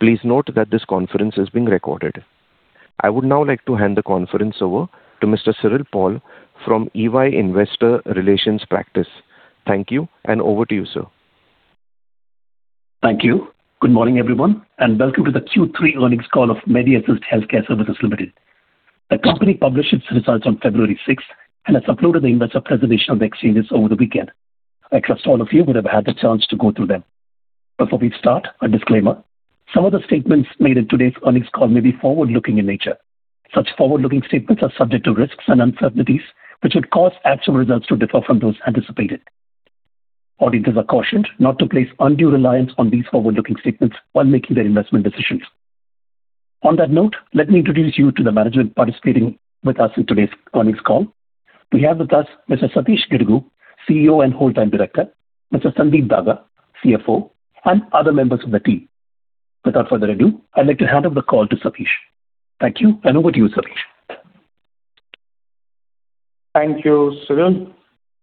Please note that this conference is being recorded. I would now like to hand the conference over to Mr. Cyril Paul from EY Investor Relations Practice. Thank you, and over to you, sir. Thank you. Good morning, everyone, and welcome to the Q3 earnings call of Medi Assist Healthcare Services Limited. The company published its results on February 6, and has uploaded the investor presentation on the exchanges over the weekend. I trust all of you would have had the chance to go through them. Before we start, a disclaimer: Some of the statements made in today's earnings call may be forward-looking in nature. Such forward-looking statements are subject to risks and uncertainties, which would cause actual results to differ from those anticipated. Audiences are cautioned not to place undue reliance on these forward-looking statements while making their investment decisions. On that note, let me introduce you to the management participating with us in today's earnings call. We have with us Mr. Satish Gidugu, CEO and Whole Time Director, Mr. Sandeep Daga, CFO, and other members of the team. Without further ado, I'd like to hand over the call to Satish. Thank you, and over to you, Satish. Thank you, Cyril.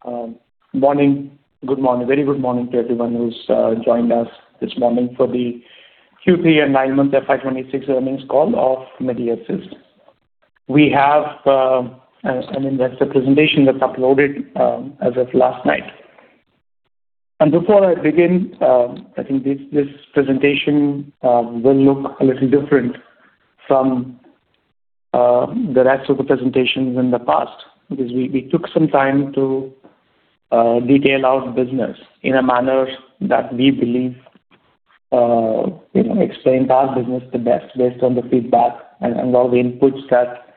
Good morning. Very good morning to everyone who's joined us this morning for the Q3 and nine-month FY 2026 earnings call of Medi Assist. We have an investor presentation that's uploaded as of last night. Before I begin, I think this presentation will look a little different from the rest of the presentations in the past, because we took some time to detail out business in a manner that we believe, you know, explain our business the best based on the feedback and all the inputs that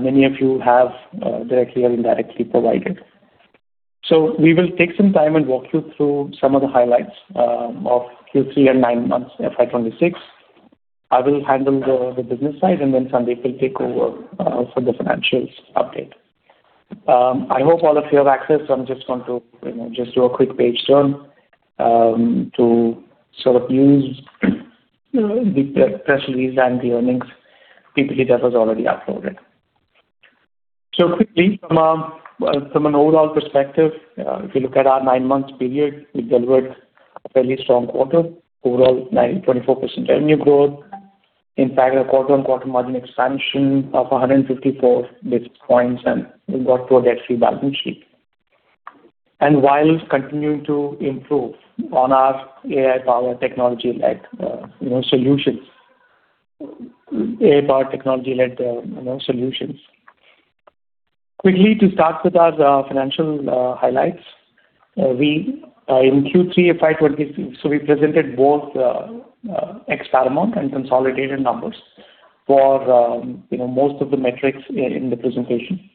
many of you have directly or indirectly provided. So we will take some time and walk you through some of the highlights of Q3 and nine months FY 2026. I will handle the business side, and then Sandeep will take over for the financials update. I hope all of you have access. I'm just going to, you know, just do a quick page turn to sort of use, you know, the press release and the earnings PPT that was already uploaded. So quickly, from an overall perspective, if you look at our nine-month period, we delivered a fairly strong quarter. Overall, 24% revenue growth. In fact, a quarter-on-quarter margin expansion of 154 basis points, and we got to a debt-free balance sheet. And while continuing to improve on our AI-powered technology-led, you know, solutions, AI-powered technology-led, you know, solutions. Quickly to start with our financial highlights. We in Q3 FY 2026, so we presented both ex-Paramount and consolidated numbers for, you know, most of the metrics in the presentation.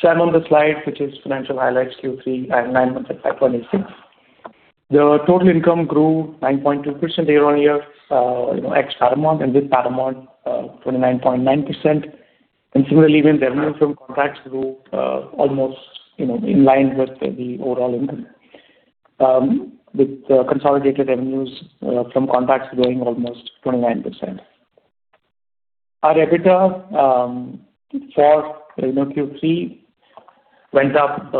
So I'm on the slide, which is financial highlights Q3 and nine months of FY 2026. The total income grew 9.2% year-on-year, you know, ex Paramount, and with Paramount, 29.9%. And similarly, when the revenue from contracts grew, almost, you know, in line with the overall income. With the consolidated revenues from contracts growing almost 29%. Our EBITDA for, you know, Q3 went up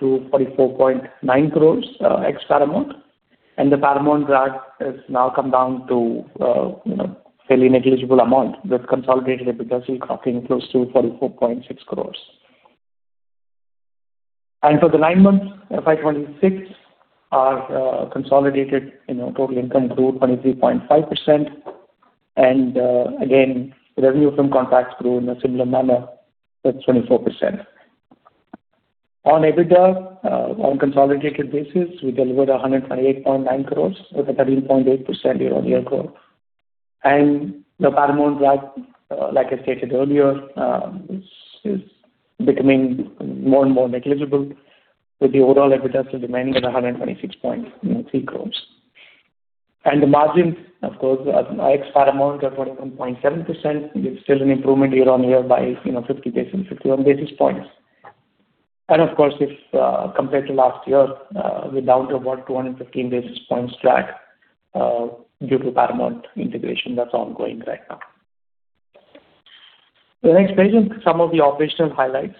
to 44.9 crore, ex-Paramount, and the Paramount drag has now come down to, you know, fairly negligible amount, with consolidated EBITDA still clocking close to 44.6 crore. For the nine months, FY 2026, our consolidated, you know, total income grew 23.5%. Again, revenue from contracts grew in a similar manner, with 24%. On EBITDA, on a consolidated basis, we delivered 128.9 crore, with a 13.8% year-on-year growth. And the Paramount drag, like I stated earlier, is becoming more and more negligible, with the overall EBITDA standing at 126.3 crore. And the margins, of course, ex-Paramount, at 41.7%, is still an improvement year-on-year by, you know, 51 basis points. And of course, if compared to last year, we're down to about 215 basis points drag, due to Paramount integration that's ongoing right now. The next page is some of the operational highlights,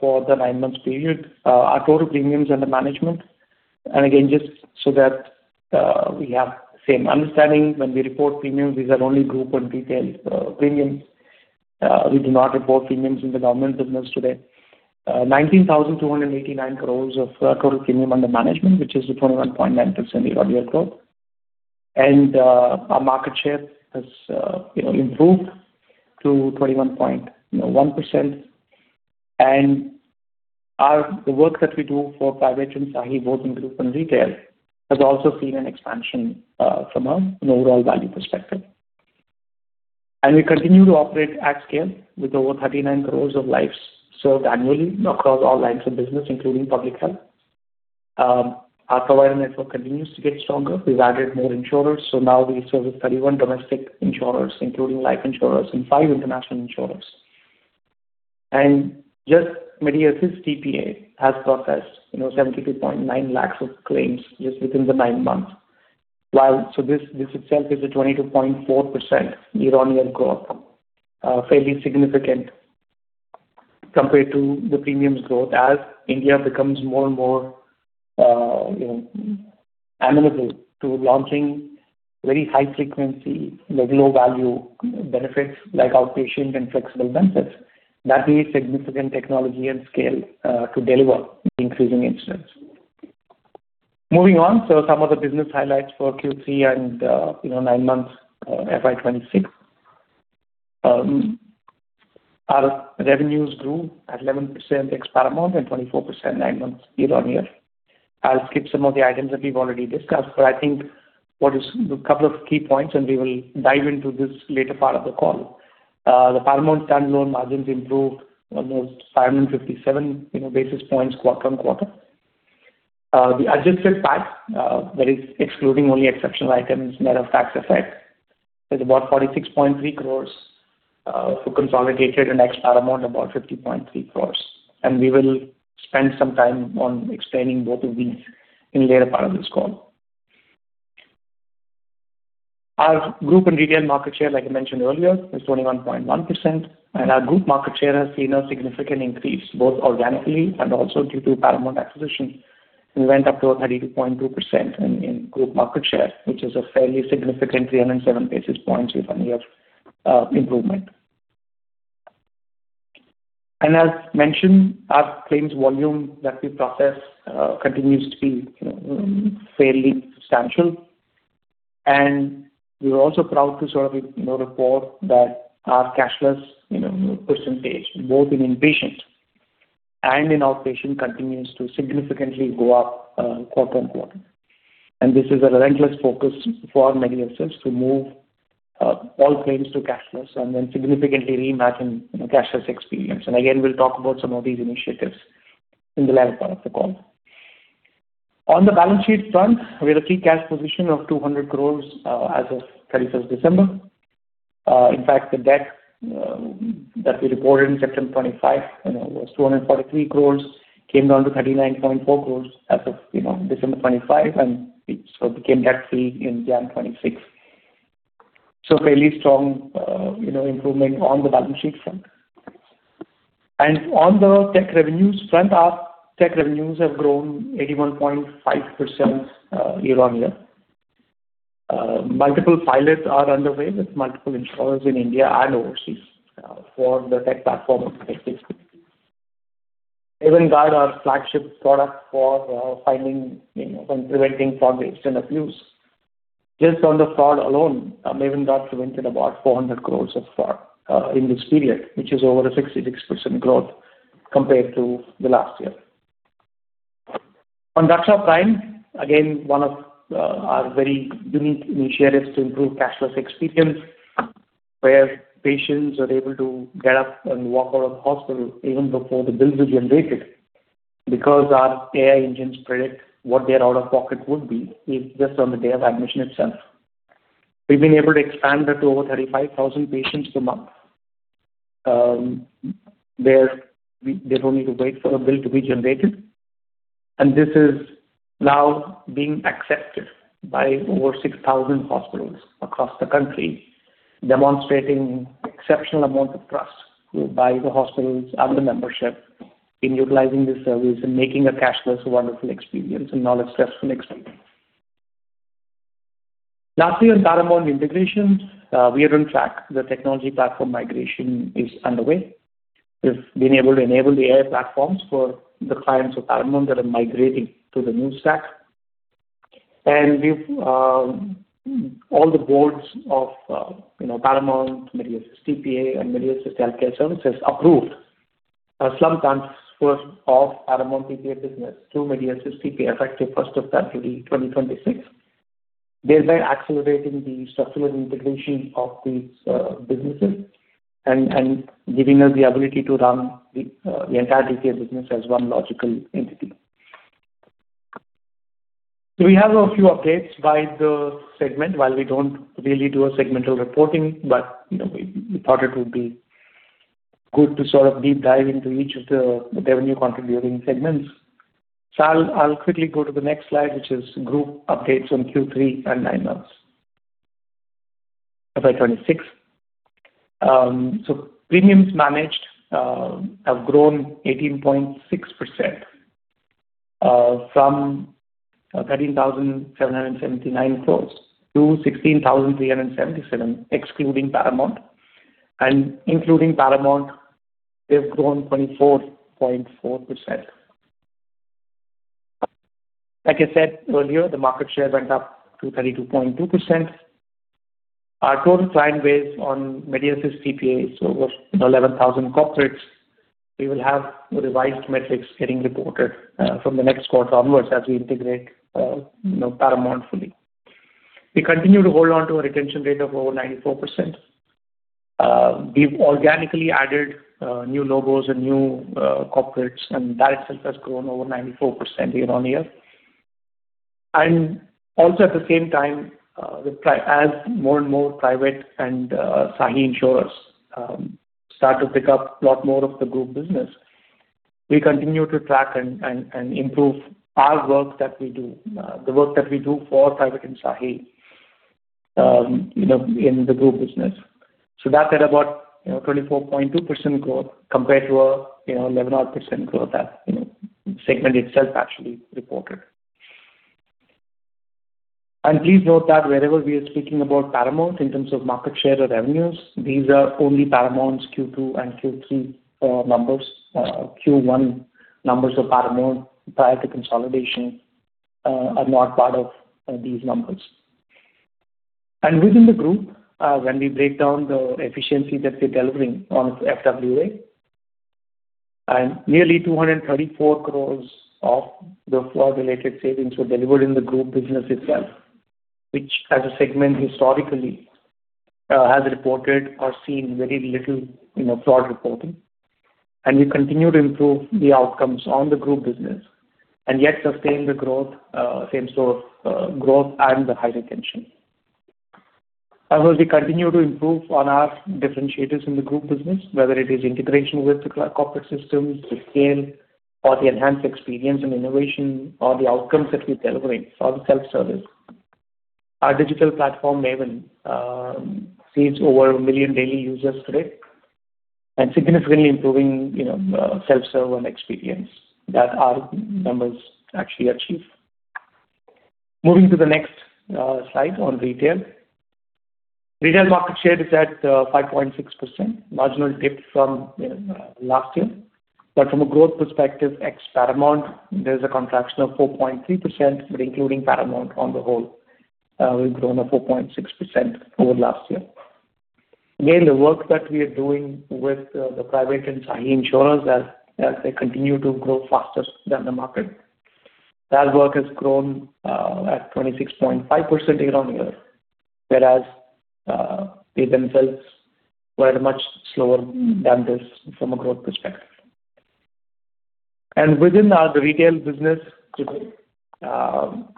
for the nine-month period. Our total premiums under management, and again, just so that, we have the same understanding, when we report premiums, these are only group and retail, premiums. We do not report premiums in the government business today. 19,289 crore total premium under management, which is a 21.9% year-on-year growth. Our market share has, you know, improved to 21.1%. The work that we do for private insurers, both in group and retail, has also seen an expansion, from an overall value perspective. We continue to operate at scale, with over 39 crore lives served annually across all lines of business, including public health. Our provider network continues to get stronger. We've added more insurers, so now we serve 31 domestic insurers, including life insurers and five international insurers. And just Medi Assist TPA has processed, you know, 72.9 lakhs of claims just within the nine months. So this, this itself is a 22.4% year-on-year growth, fairly significant compared to the premiums growth, as India becomes more and more, you know, amenable to launching very high frequency, but low value benefits like outpatient and flexible benefits, that needs significant technology and scale to deliver the increasing insurance. Moving on, so some of the business highlights for Q3 and, you know, nine months, FY 2026. Our revenues grew at 11% ex-Paramount and 24% nine months year-on-year. I'll skip some of the items that we've already discussed, but I think what is the couple of key points, and we will dive into this later part of the call. The Paramount standalone margins improved almost 557, you know, basis points quarter-on-quarter. The adjusted PAT, that is excluding only exceptional items, net of tax effect, is about 46.3 crore, for consolidated and ex-Paramount, about 50.3 crore. And we will spend some time on explaining both of these in later part of this call. Our group and retail market share, like I mentioned earlier, is 21.1%, and our group market share has seen a significant increase, both organically and also due to Paramount acquisition. We went up to 32.2% in group market share, which is a fairly significant 307 basis points year-on-year improvement. As mentioned, our claims volume that we process continues to be fairly substantial. We're also proud to sort of, you know, report that our cashless, you know, percentage, both in inpatient and in outpatient, continues to significantly go up quarter-on-quarter. This is a relentless focus for Medi Assist to move all claims to cashless and then significantly reimagine, you know, cashless experience. Again, we'll talk about some of these initiatives in the latter part of the call. On the balance sheet front, we had a free cash position of 200 crore as of 31st December. In fact, the debt that we reported in September 2025, you know, was 243 crore, came down to 39.4 crore as of, you know, December 2025, and we sort of became debt-free in January 2026. So fairly strong, you know, improvement on the balance sheet front. And on the tech revenues front, our tech revenues have grown 81.5%, year-on-year. Multiple pilots are underway with multiple insurers in India and overseas for the tech platform of tech space. MAven Guard, our flagship product for finding, you know, and preventing fraud, waste, and abuse. Just on the fraud alone, MAven Guard prevented about 400 crore of fraud in this period, which is over a 66% growth compared to the last year. On Raksha Prime, again, one of our very unique initiatives to improve cashless experience, where patients are able to get up and walk out of the hospital even before the bill is generated, because our AI engines predict what their out-of-pocket would be, if just on the day of admission itself. We've been able to expand that to over 35,000 patients a month. They don't need to wait for a bill to be generated. This is now being accepted by over 6,000 hospitals across the country, demonstrating exceptional amount of trust by the hospitals and the membership in utilizing this service and making a cashless, wonderful experience and not a stressful experience. Lastly, on Paramount integration, we are on track. The technology platform migration is underway. We've been able to enable the AI platforms for the clients of Paramount that are migrating to the new stack. And we've all the boards of, you know, Paramount, Medi Assist TPA, and Medi Assist Healthcare Services approved some transfers of Paramount TPA business to Medi Assist TPA, effective 1st of February 2026, thereby accelerating the structural integration of these businesses and giving us the ability to run the entire TPA business as one logical entity. So we have a few updates by the segment, while we don't really do a segmental reporting, but, you know, we thought it would be good to sort of deep dive into each of the revenue contributing segments. So I'll quickly go to the next slide, which is group updates on Q3 and nine months, FY 2026. Premiums managed have grown 18.6% from 13,779 crore-16,377 crore, excluding Paramount. Including Paramount, they've grown 24.4%. Like I said earlier, the market share went up to 32.2%. Our total client base on Medi Assist TPA is over 11,000 corporates. We will have the revised metrics getting reported from the next quarter onwards as we integrate, you know, Paramount fully. We continue to hold on to a retention rate of over 94%. We've organically added new logos and new corporates, and that itself has grown over 94% year-on-year. Also, at the same time, with as more and more private and SAHI insurers start to pick up a lot more of the group business, we continue to track and improve our work that we do, the work that we do for private and SAHI, you know, in the group business. So that had about, you know, 24.2% growth compared to a, you know, 11 odd percent growth that, you know, segment itself actually reported. And please note that wherever we are speaking about Paramount in terms of market share or revenues, these are only Paramount's Q2 and Q3 numbers. Q1 numbers of Paramount prior to consolidation are not part of these numbers. Within the group, when we break down the efficiency that we're delivering on FWA, nearly 234 crore of the fraud-related savings were delivered in the group business itself. Which as a segment, historically, has reported or seen very little, you know, fraud reporting. We continue to improve the outcomes on the group business and yet sustain the growth, same store, growth and the higher retention. As we continue to improve on our differentiators in the group business, whether it is integration with the corporate systems, the scale, or the enhanced experience and innovation, or the outcomes that we deliver, or the self-service. Our digital platform, Maven, sees over 1 million daily users today, and significantly improving, you know, self-serve and experience that our members actually achieve. Moving to the next slide on retail. Retail market share is at 5.6%, marginal dip from last year. But from a growth perspective, ex Paramount, there's a contraction of 4.3%, but including Paramount on the whole, we've grown 4.6% over last year. Again, the work that we are doing with the private and SAHI insurers as they continue to grow faster than the market. That work has grown at 26.5% year-on-year, whereas they themselves were at a much slower than this from a growth perspective. And within our retail business today,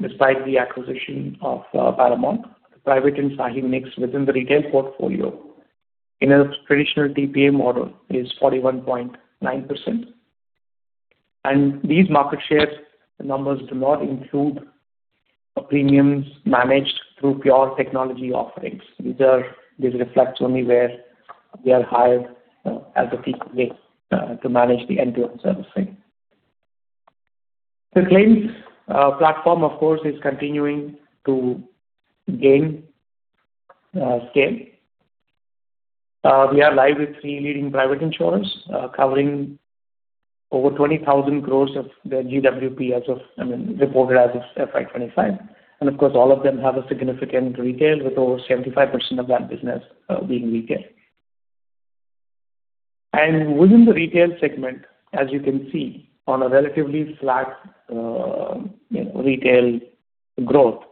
despite the acquisition of Paramount, private and SAHI mix within the retail portfolio in a traditional TPA model is 41.9%. And these market shares numbers do not include premiums managed through pure technology offerings. This reflects only where we are hired as a TPA way to manage the end-to-end servicing. The claims platform, of course, is continuing to gain scale. We are live with three leading private insurers covering over 20,000 crore of the GWP as of, I mean, reported as of FY 2025. And of course, all of them have a significant retail with over 75% of that business being retail. And within the retail segment, as you can see, on a relatively flat, you know, retail growth,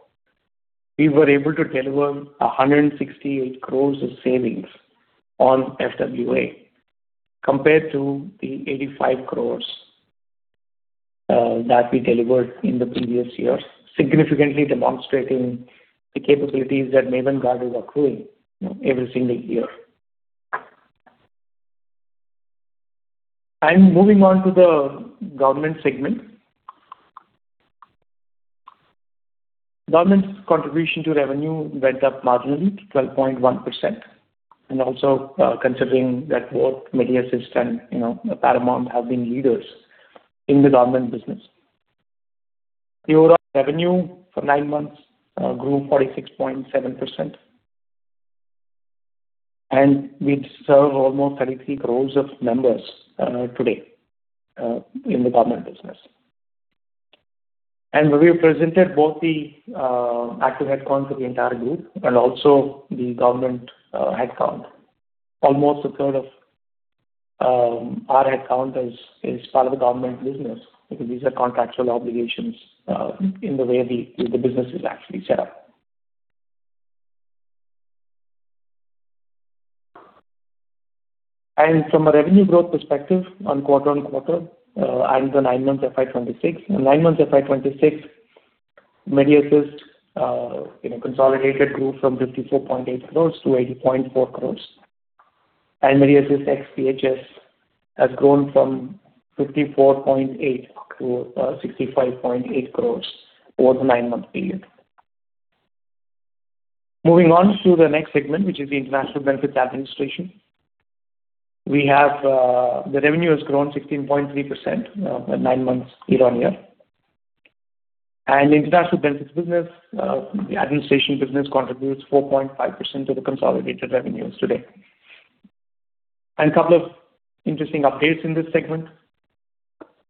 we were able to deliver 168 crore of savings on FWA, compared to the 85 crore that we delivered in the previous years. Significantly demonstrating the capabilities that Maven Guard is accruing, you know, every single year. I'm moving on to the government segment. Government's contribution to revenue went up marginally to 12.1%, and also, considering that both Medi Assist and, you know, Paramount have been leaders in the government business. The overall revenue for nine months grew 46.7%. And we serve almost 33 crores of members today in the government business. And we presented both the active headcount for the entire group and also the government headcount. Almost a third of our headcount is part of the government business, because these are contractual obligations in the way the business is actually set up. And from a revenue growth perspective on quarter-on-quarter, and the nine months FY 2026. Nine months FY 2026, Medi Assist, you know, consolidated growth from 54.8 crore-80.4 crore, and Medi Assist ex-PHS has grown from 54.8 crore-60.5 crore over the nine-month period. Moving on to the next segment, which is the international benefits administration. We have the revenue has grown 16.3%, nine months year on year. And international benefits business, the administration business contributes 4.5% to the consolidated revenues today. And a couple of interesting updates in this segment.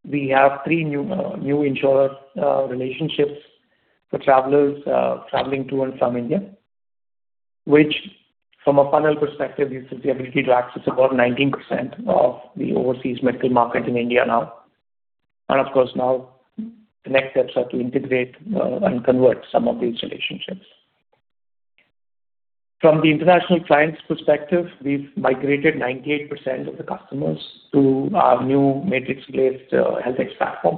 We have three new insurer relationships for travelers traveling to and from India. Which from a funnel perspective, gives the ability to access about 19% of the overseas medical market in India now. And of course, now the next steps are to integrate and convert some of these relationships. From the international clients' perspective, we've migrated 98% of the customers to our new Matrix-based HealthEx platform,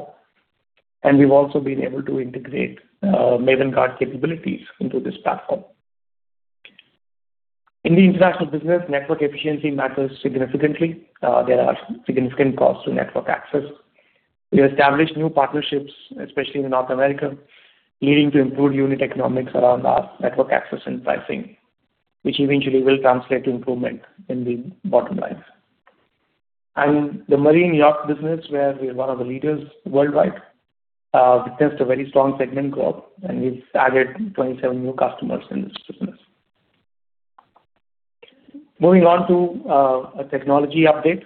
and we've also been able to integrate MAven Guard capabilities into this platform. In the international business, network efficiency matters significantly. There are significant costs to network access. We established new partnerships, especially in North America, leading to improved unit economics around our network access and pricing, which eventually will translate to improvement in the bottom line. The marine yacht business, where we are one of the leaders worldwide, maintains a very strong segment growth, and we've added 27 new customers in this business. Moving on to a technology update.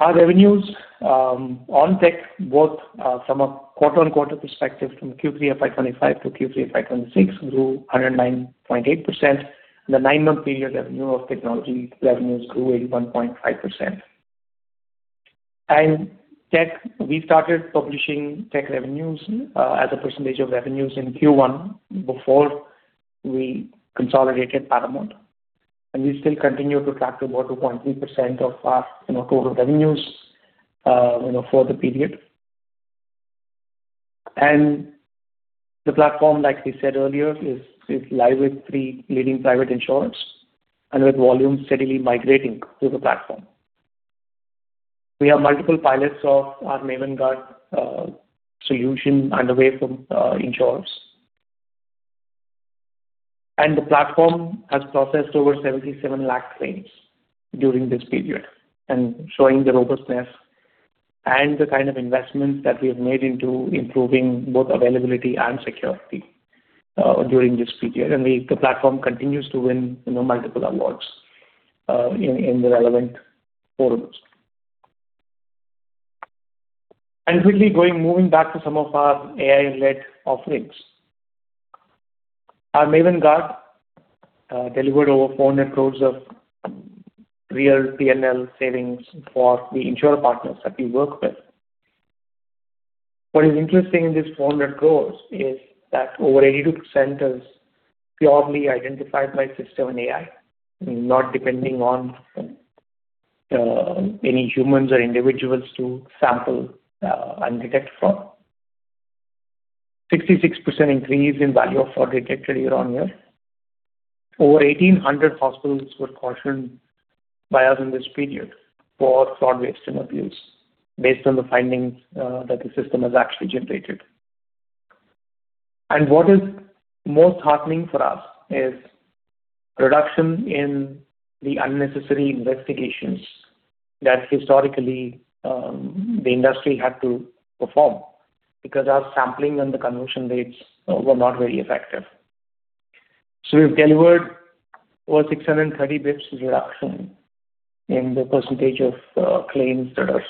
Our revenues on tech, both from a quarter-on-quarter perspective, from Q3 of FY 2025 to Q3 of FY 2026, grew 109.8%. The nine-month period revenue of technology revenues grew 81.5%. Tech, we started publishing tech revenues as a percentage of revenues in Q1 before we consolidated Paramount. We still continue to track about 2.3% of our, you know, total revenues, you know, for the period. The platform, like we said earlier, is live with three leading private insurers and with volume steadily migrating to the platform. We have multiple pilots of our Maven Guard solution underway from insurers. The platform has processed over 77 lakh claims during this period and showing the robustness and the kind of investments that we have made into improving both availability and security during this period. The platform continues to win, you know, multiple awards in the relevant forums. Quickly moving back to some of our AI-led offerings. Our Maven Guard delivered over 400 crore of real PNL savings for the insurer partners that we work with. What is interesting in this INR 400 crore is that over 82% is purely identified by system and AI, not depending on any humans or individuals to sample and detect fraud. 66% increase in value of fraud detected year-on-year. Over 1,800 hospitals were cautioned by us in this period for fraud, waste, and abuse, based on the findings that the system has actually generated. What is most heartening for us is reduction in the unnecessary investigations that historically the industry had to perform because our sampling and the conversion rates were not very effective. So we've delivered over 630 basis points reduction in the percentage of claims that are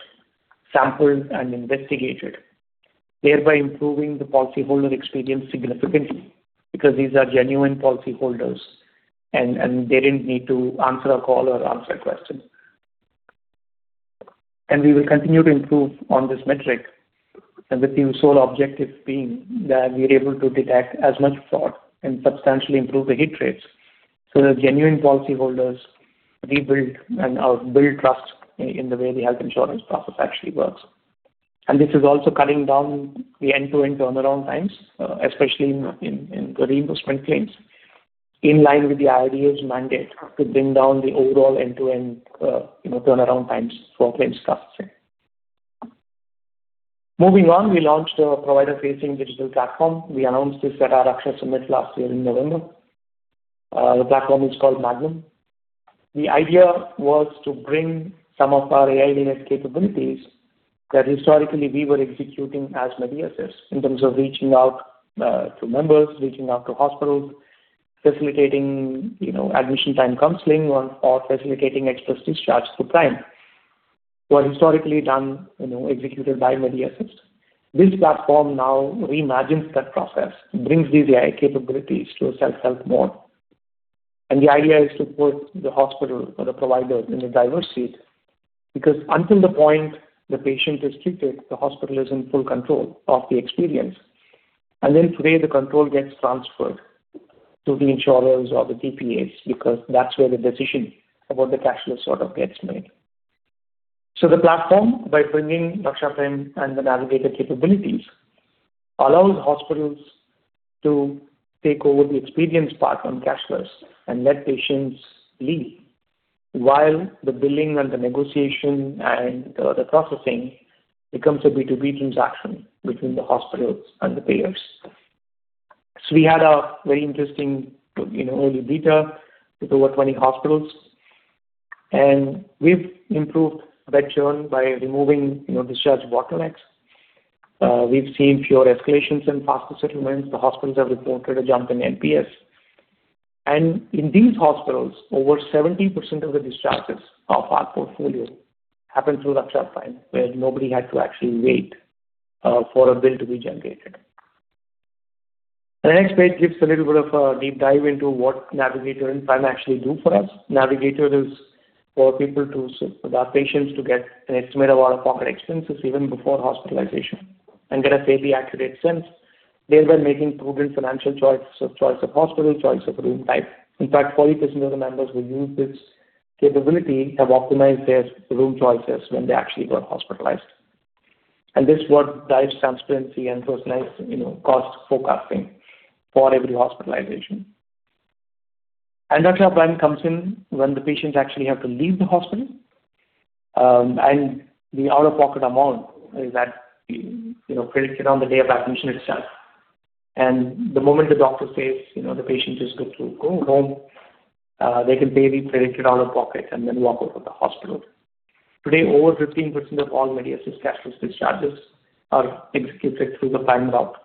sampled and investigated, thereby improving the policyholder experience significantly, because these are genuine policyholders and they didn't need to answer a call or answer a question. We will continue to improve on this metric, and with the sole objective being that we are able to detect as much fraud and substantially improve the hit rates, so that genuine policyholders rebuild and build trust in the way the health insurance process actually works. This is also cutting down the end-to-end turnaround times, especially in the reimbursement claims, in line with the IRDAI's mandate to bring down the overall end-to-end, you know, turnaround times for claims processing. Moving on, we launched a provider-facing digital platform. We announced this at our Raksha Summit last year in November. The platform is called MAgnum. The idea was to bring some of our AI-led capabilities that historically we were executing as Medi Assist, in terms of reaching out to members, reaching out to hospitals, facilitating, you know, admission, time counseling or, or facilitating express discharge to Prime, were historically done, you know, executed by Medi Assist. This platform now reimagines that process and brings these AI capabilities to a self-help mode. The idea is to put the hospital or the provider in the driver's seat, because until the point the patient is treated, the hospital is in full control of the experience. Then today, the control gets transferred to the insurers or the TPAs, because that's where the decision about the cashless sort of gets made. So the platform, by bringing Raksha Prime and the Navigator capabilities, allows hospitals to take over the experience part on cashless and let patients leave, while the billing and the negotiation and the processing becomes a B2B transaction between the hospitals and the payers. So we had a very interesting, you know, early beta with over 20 hospitals, and we've improved bed churn by removing, you know, discharge bottlenecks. We've seen fewer escalations and faster settlements. The hospitals have reported a jump in NPS. And in these hospitals, over 70% of the discharges of our portfolio happened through Raksha Prime, where nobody had to actually wait for a bill to be generated. The next page gives a little bit of a deep dive into what Navigator and Prime actually do for us. Navigator is for people to our patients to get an estimate of out-of-pocket expenses even before hospitalization and get a fairly accurate sense, thereby making proven financial choices, of choice of hospital, choice of room type. In fact, 40% of the members who use this capability have optimized their room choices when they actually got hospitalized. And this is what drives transparency and personalized, you know, cost forecasting for every hospitalization. And that's where plan comes in, when the patients actually have to leave the hospital. And the out-of-pocket amount is that, you know, predicted on the day of admission itself. And the moment the doctor says, you know, the patient is good to go home, they can pay the predicted out-of-pocket and then walk out of the hospital. Today, over 15% of all Medi Assist's cashless discharges are executed through the plan route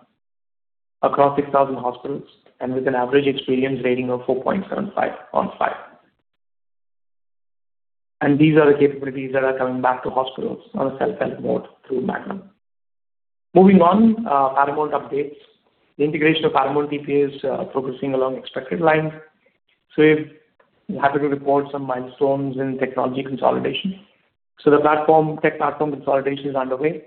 across 6,000 hospitals and with an average experience rating of 4.75 on five. These are the capabilities that are coming back to hospitals on a self-help mode through MAgnum. Moving on, Paramount updates. The integration of Paramount TPA is progressing along expected lines, so we're happy to report some milestones in technology consolidation. The platform, tech platform consolidation is underway.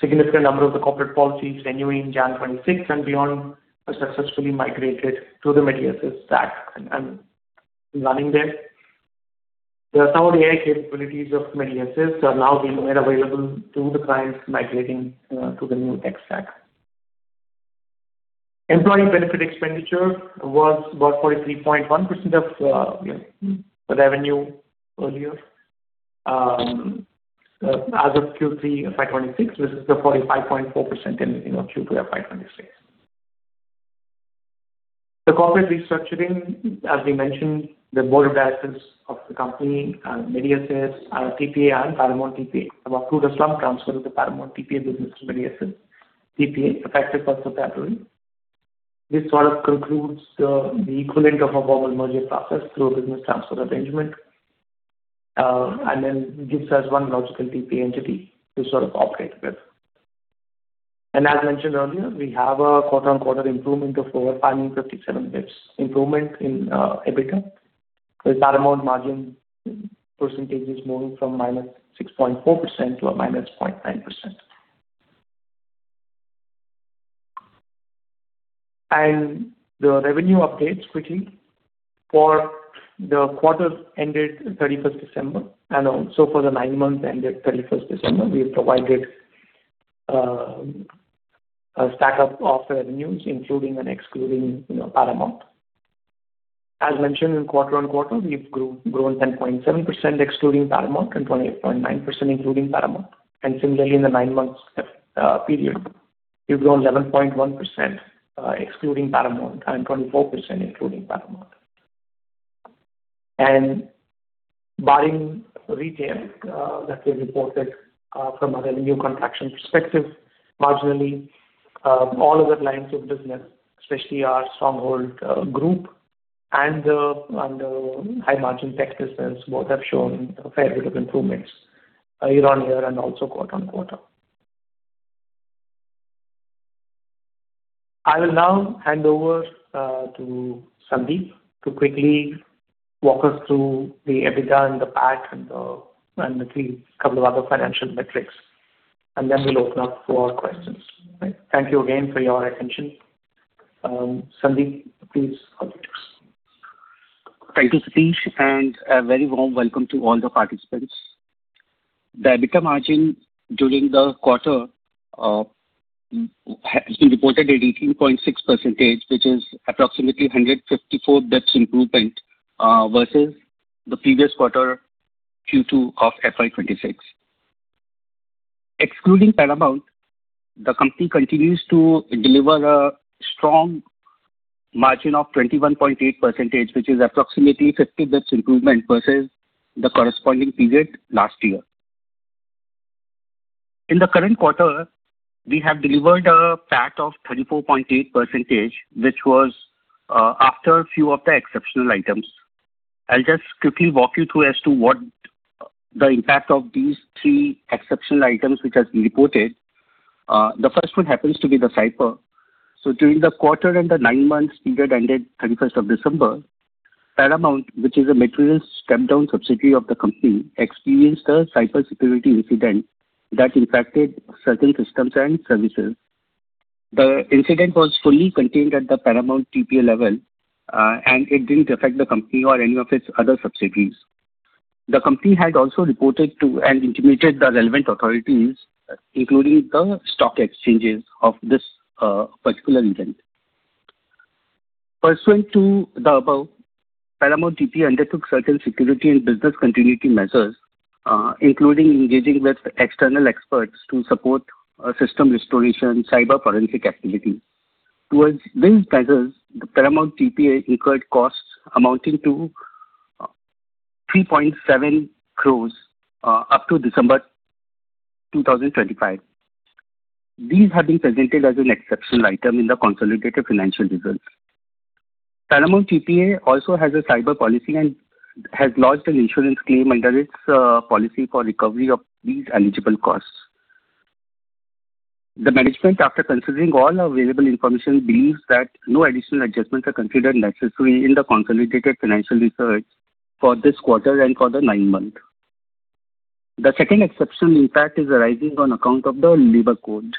Significant number of the corporate policies renewing January 26th and beyond are successfully migrated to the Medi Assist's stack and running there. There are some AI capabilities of Medi Assist's are now being made available to the clients migrating to the new stack. Employee benefit expenditure was about 43.1% of, you know, the revenue earlier. As of Q3 FY 2026, this is the 45.4% in, you know, Q3 of FY 2026. The corporate restructuring, as we mentioned, the board of directors of the company and Medi Assist, our TPA and Paramount TPA, have approved a slump transfer of the Paramount TPA business to Medi Assist TPA, effective first of February. This sort of concludes the, the equivalent of a formal merger process through a business transfer arrangement, and then gives us one logical TPA entity to sort of operate with. And as mentioned earlier, we have a quarter-on-quarter improvement of over 557 basis points, improvement in, EBITDA. The Paramount margin percentage is moving from -6.4% to a -0.9%. The revenue updates quickly for the quarter ended 31 December and also for the nine months ended 31 December. We have provided a stack-up of revenues, including and excluding, you know, Paramount. As mentioned in quarter-on-quarter, we've grown 10.7%, excluding Paramount, and 28.9%, including Paramount. And similarly, in the nine months period, we've grown 11.1%, excluding Paramount, and 24%, including Paramount. And barring retail that we reported from a revenue contraction perspective, marginally, all other lines of business, especially our stronghold group and the high-margin tech business, both have shown a fair bit of improvements year-on-year and also quarter-on-quarter. I will now hand over to Sandeep to quickly walk us through the EBITDA and the PAT and a few couple of other financial metrics, and then we'll open up for questions. Thank you again for your attention. Sandeep, please introduce. Thank you, Satish, and a very warm welcome to all the participants. The EBITDA margin during the quarter has been reported at 18.6%, which is approximately 154 basis points improvement versus the previous quarter, Q2 of FY 2026. Excluding Paramount, the company continues to deliver a strong margin of 21.8%, which is approximately 50 basis points improvement versus the corresponding period last year. In the current quarter, we have delivered a PAT of 34.8%, which was after a few of the exceptional items. I'll just quickly walk you through as to what the impact of these three exceptional items, which has been reported. The first one happens to be the cyber. During the quarter and the nine-month period ended 31st December, Paramount, which is a material step-down subsidiary of the company, experienced a cybersecurity incident that impacted certain systems and services. The incident was fully contained at the Paramount TPA level, and it didn't affect the company or any of its other subsidiaries. The company had also reported to and intimated the relevant authorities, including the stock exchanges, of this particular event. Pursuant to the above, Paramount TPA undertook certain security and business continuity measures, including engaging with external experts to support system restoration, cyber forensic activity. Towards these measures, the Paramount TPA incurred costs amounting to 3.7 crore up to December 2025. These have been presented as an exceptional item in the consolidated financial results. Paramount TPA also has a cyber policy and has lodged an insurance claim under its policy for recovery of these eligible costs. The management, after considering all available information, believes that no additional adjustments are considered necessary in the consolidated financial results for this quarter and for the nine months. The second exceptional impact is arising on account of the labor code.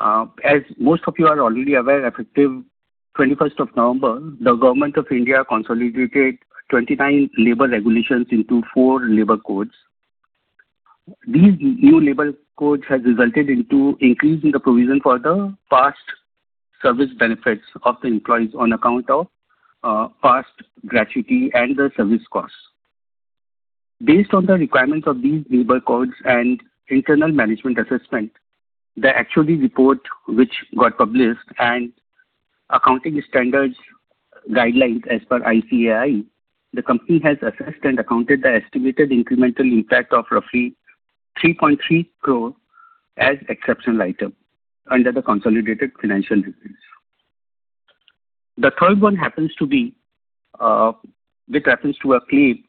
As most of you are already aware, effective 21st of November, the government of India consolidated 29 labor regulations into four labor codes. These new labor codes has resulted into increasing the provision for the past service benefits of the employees on account of past gratuity and the service costs. Based on the requirements of these labor codes and internal management assessment, the actual report which got published and accounting standards guidelines as per ICAI, the company has assessed and accounted the estimated incremental impact of roughly 3.3 crore as exceptional item under the consolidated financial returns. The third one happens to be, which happens to a claim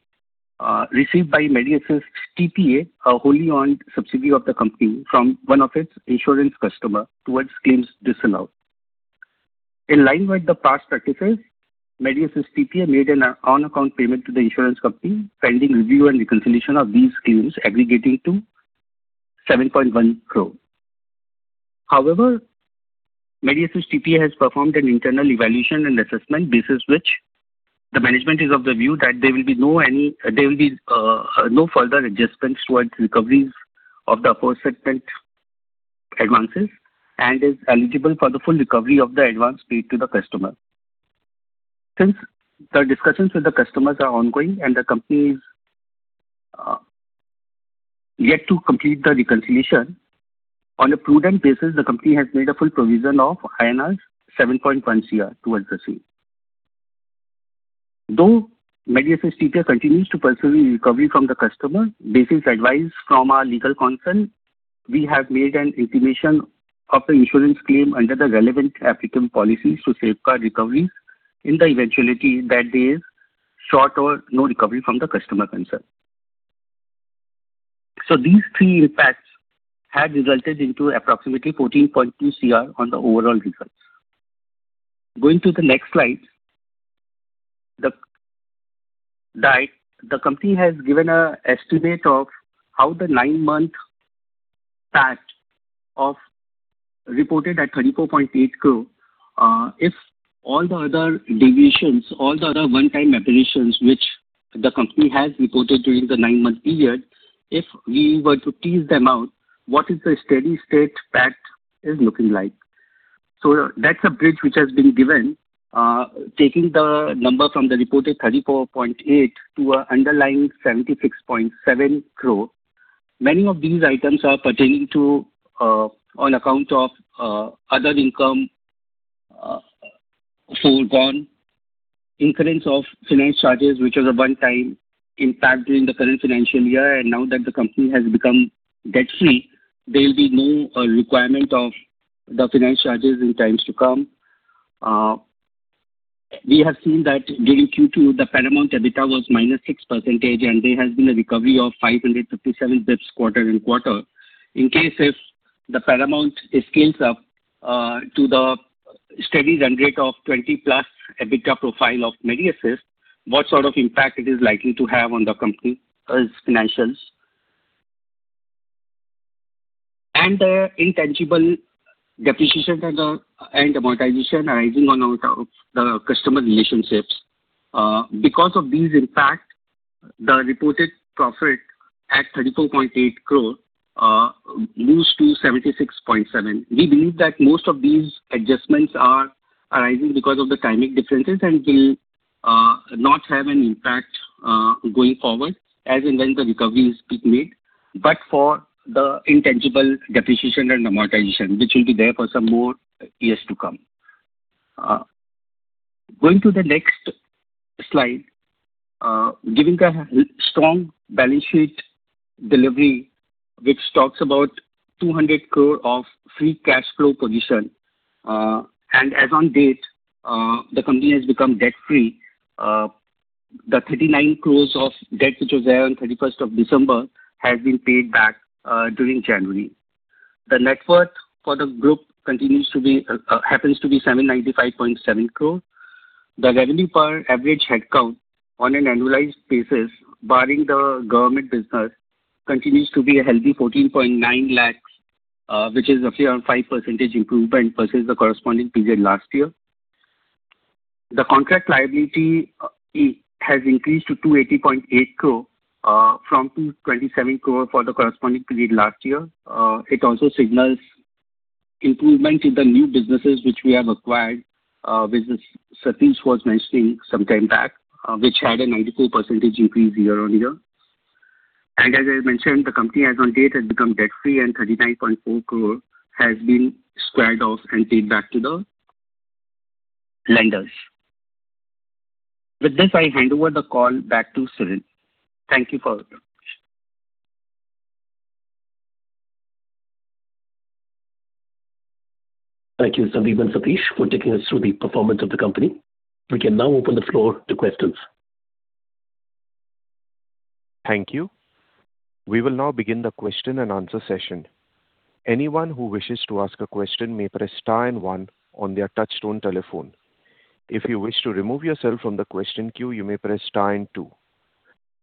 received by Medi Assist TPA, a wholly-owned subsidiary of the company, from one of its insurance customer towards claims disallowed. In line with the past practice, Medi Assist TPA made an on-account payment to the insurance company, pending review and reconciliation of these claims aggregating to 7.1 crore. However, Medi Assist TPA has performed an internal evaluation and assessment, basis which the management is of the view that there will be no further adjustments towards recoveries of the aforesaid advances, and is eligible for the full recovery of the advance paid to the customer. Since the discussions with the customers are ongoing and the company is yet to complete the reconciliation, on a prudent basis, the company has made a full provision of INR 7.1 crore towards the same. Though Medi Assist TPA continues to pursue recovery from the customer, basis advice from our legal counsel, we have made an intimation of the insurance claim under the relevant applicable policies to safeguard recoveries in the eventuality that there is short or no recovery from the customer concerned. So these three impacts had resulted into approximately 14.2 crore on the overall results. Going to the next slide. The company has given a estimate of how the nine-month PAT of reported at 34.8 crore. If all the other deviations, all the other one-time aberrations, which the company has reported during the nine-month period, if we were to tease them out, what is the steady state PAT looking like? So that's a bridge which has been given, taking the number from the reported 34.8 crore to a underlying 76.7 crore. Many of these items are pertaining to, on account of, other income, foregone, incidence of finance charges, which was a one-time impact during the current financial year, and now that the company has become debt-free, there will be no, requirement of the finance charges in times to come. We have seen that during Q2, the Paramount EBITDA was -6%, and there has been a recovery of 557 basis points quarter-over-quarter. In case if the Paramount scales up, to the steady run rate of 20+ EBITDA profile of Medi Assist, what sort of impact it is likely to have on the company's financials? And the intangible depreciation and the, and amortization arising on account of the customer relationships. Because of these impact, the reported profit at 34.8 crore moves to 76.7 crore. We believe that most of these adjustments are arising because of the timing differences and will not have an impact going forward, as and when the recoveries be made, but for the intangible depreciation and amortization, which will be there for some more years to come. Going to the next slide. Giving the strong balance sheet delivery, which talks about 200 crore of free cash flow position, and as on date, the company has become debt-free. The 39 crores of debt, which was there on 31st of December, has been paid back during January. The net worth for the group continues to be, happens to be 795.7 crore. The revenue per average headcount on an annualized basis, barring the government business, continues to be a healthy 14.9 lakh, which is roughly around 5% improvement versus the corresponding period last year. The contract liability, it has increased to 280.8 crore, from 227 crore for the corresponding period last year. It also signals improvement in the new businesses which we have acquired, which Satish was mentioning some time back, which had a 94% increase year-on-year. And as I mentioned, the company as on date has become debt-free, and 39.4 crore has been squared off and paid back to the lenders. With this, I hand over the call back to Cyril. Thank you for your attention. Thank you, Sandeep and Satish, for taking us through the performance of the company. We can now open the floor to questions. Thank you. We will now begin the question and answer session. Anyone who wishes to ask a question may press star and one on their touchtone telephone. If you wish to remove yourself from the question queue, you may press star and two.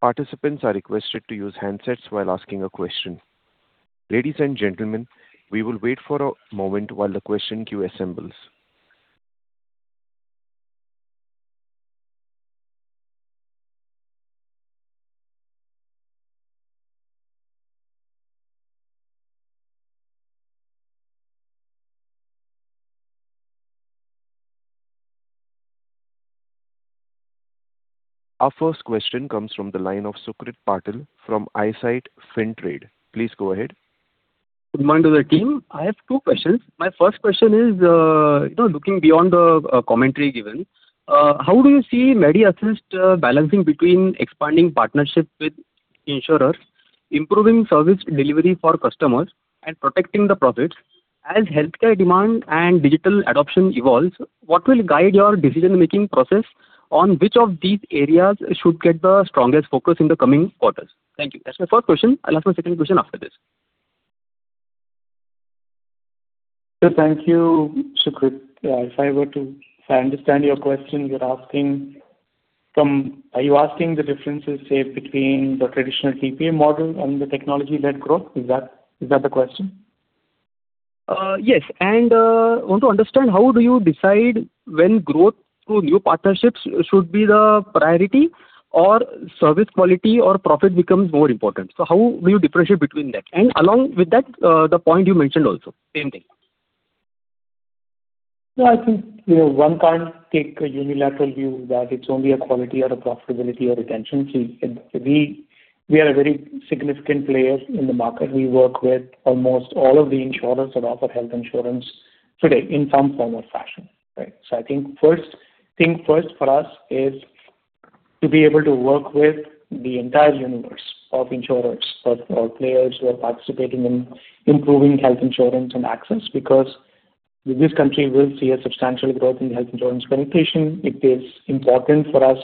Participants are requested to use handsets while asking a question. Ladies and gentlemen, we will wait for a moment while the question queue assembles. Our first question comes from the line of Sucrit Patil from Eyesight Fintrade. Please go ahead. Good morning to the team. I have two questions. My first question is, you know, looking beyond the commentary given, how do you see Medi Assist balancing between expanding partnerships with insurers, improving service delivery for customers, and protecting the profits? As healthcare demand and digital adoption evolves, what will guide your decision-making process on which of these areas should get the strongest focus in the coming quarters? Thank you. That's my first question. I'll ask my second question after this. So thank you, Sukrit. If I understand your question, you're asking, are you asking the differences, say, between the traditional TPA model and the technology-led growth? Is that, is that the question? Yes, and I want to understand how do you decide when growth through new partnerships should be the priority, or service quality or profit becomes more important? So how do you differentiate between that? And along with that, the point you mentioned also, same thing. Yeah, I think, you know, one can't take a unilateral view that it's only a quality or a profitability or retention piece. We are a very significant player in the market. We work with almost all of the insurers that offer health insurance today in some form or fashion, right? So I think first things first for us is to be able to work with the entire universe of insurers, or players who are participating in improving health insurance and access, because this country will see a substantial growth in health insurance penetration. It is important for us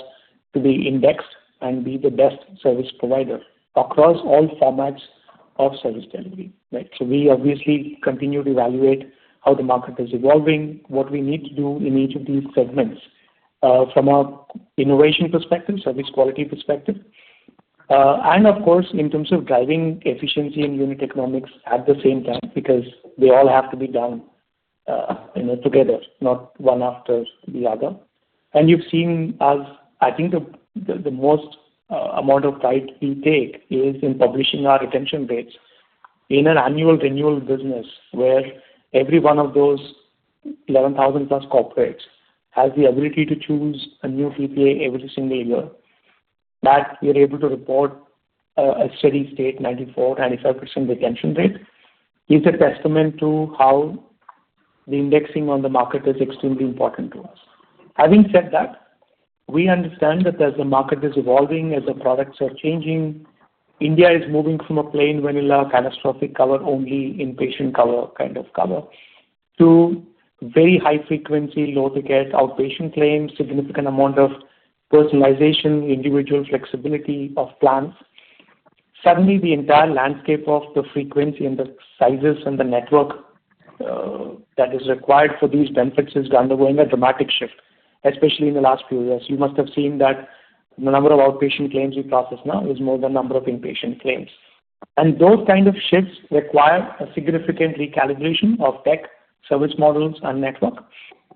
to be indexed and be the best service provider across all formats of service delivery, right? So we obviously continue to evaluate how the market is evolving, what we need to do in each of these segments, from a innovation perspective, service quality perspective, and of course, in terms of driving efficiency and unit economics at the same time, because they all have to be done, you know, together, not one after the other. And you've seen us—I think the most amount of pride we take is in publishing our retention rates. In an annual renewal business, where every one of those 11,000+ corporates has the ability to choose a new TPA every single year, that we're able to report a steady state 94%-95% retention rate is a testament to how the indexing on the market is extremely important to us. Having said that, we understand that as the market is evolving, as the products are changing, India is moving from a plain, vanilla, catastrophic cover, only inpatient cover kind of cover, to very high frequency, low ticket, outpatient claims, significant amount of personalization, individual flexibility of plans. Suddenly, the entire landscape of the frequency and the sizes and the network that is required for these benefits is undergoing a dramatic shift, especially in the last few years. You must have seen that the number of outpatient claims we process now is more than number of inpatient claims. And those kind of shifts require a significant recalibration of tech, service models, and network.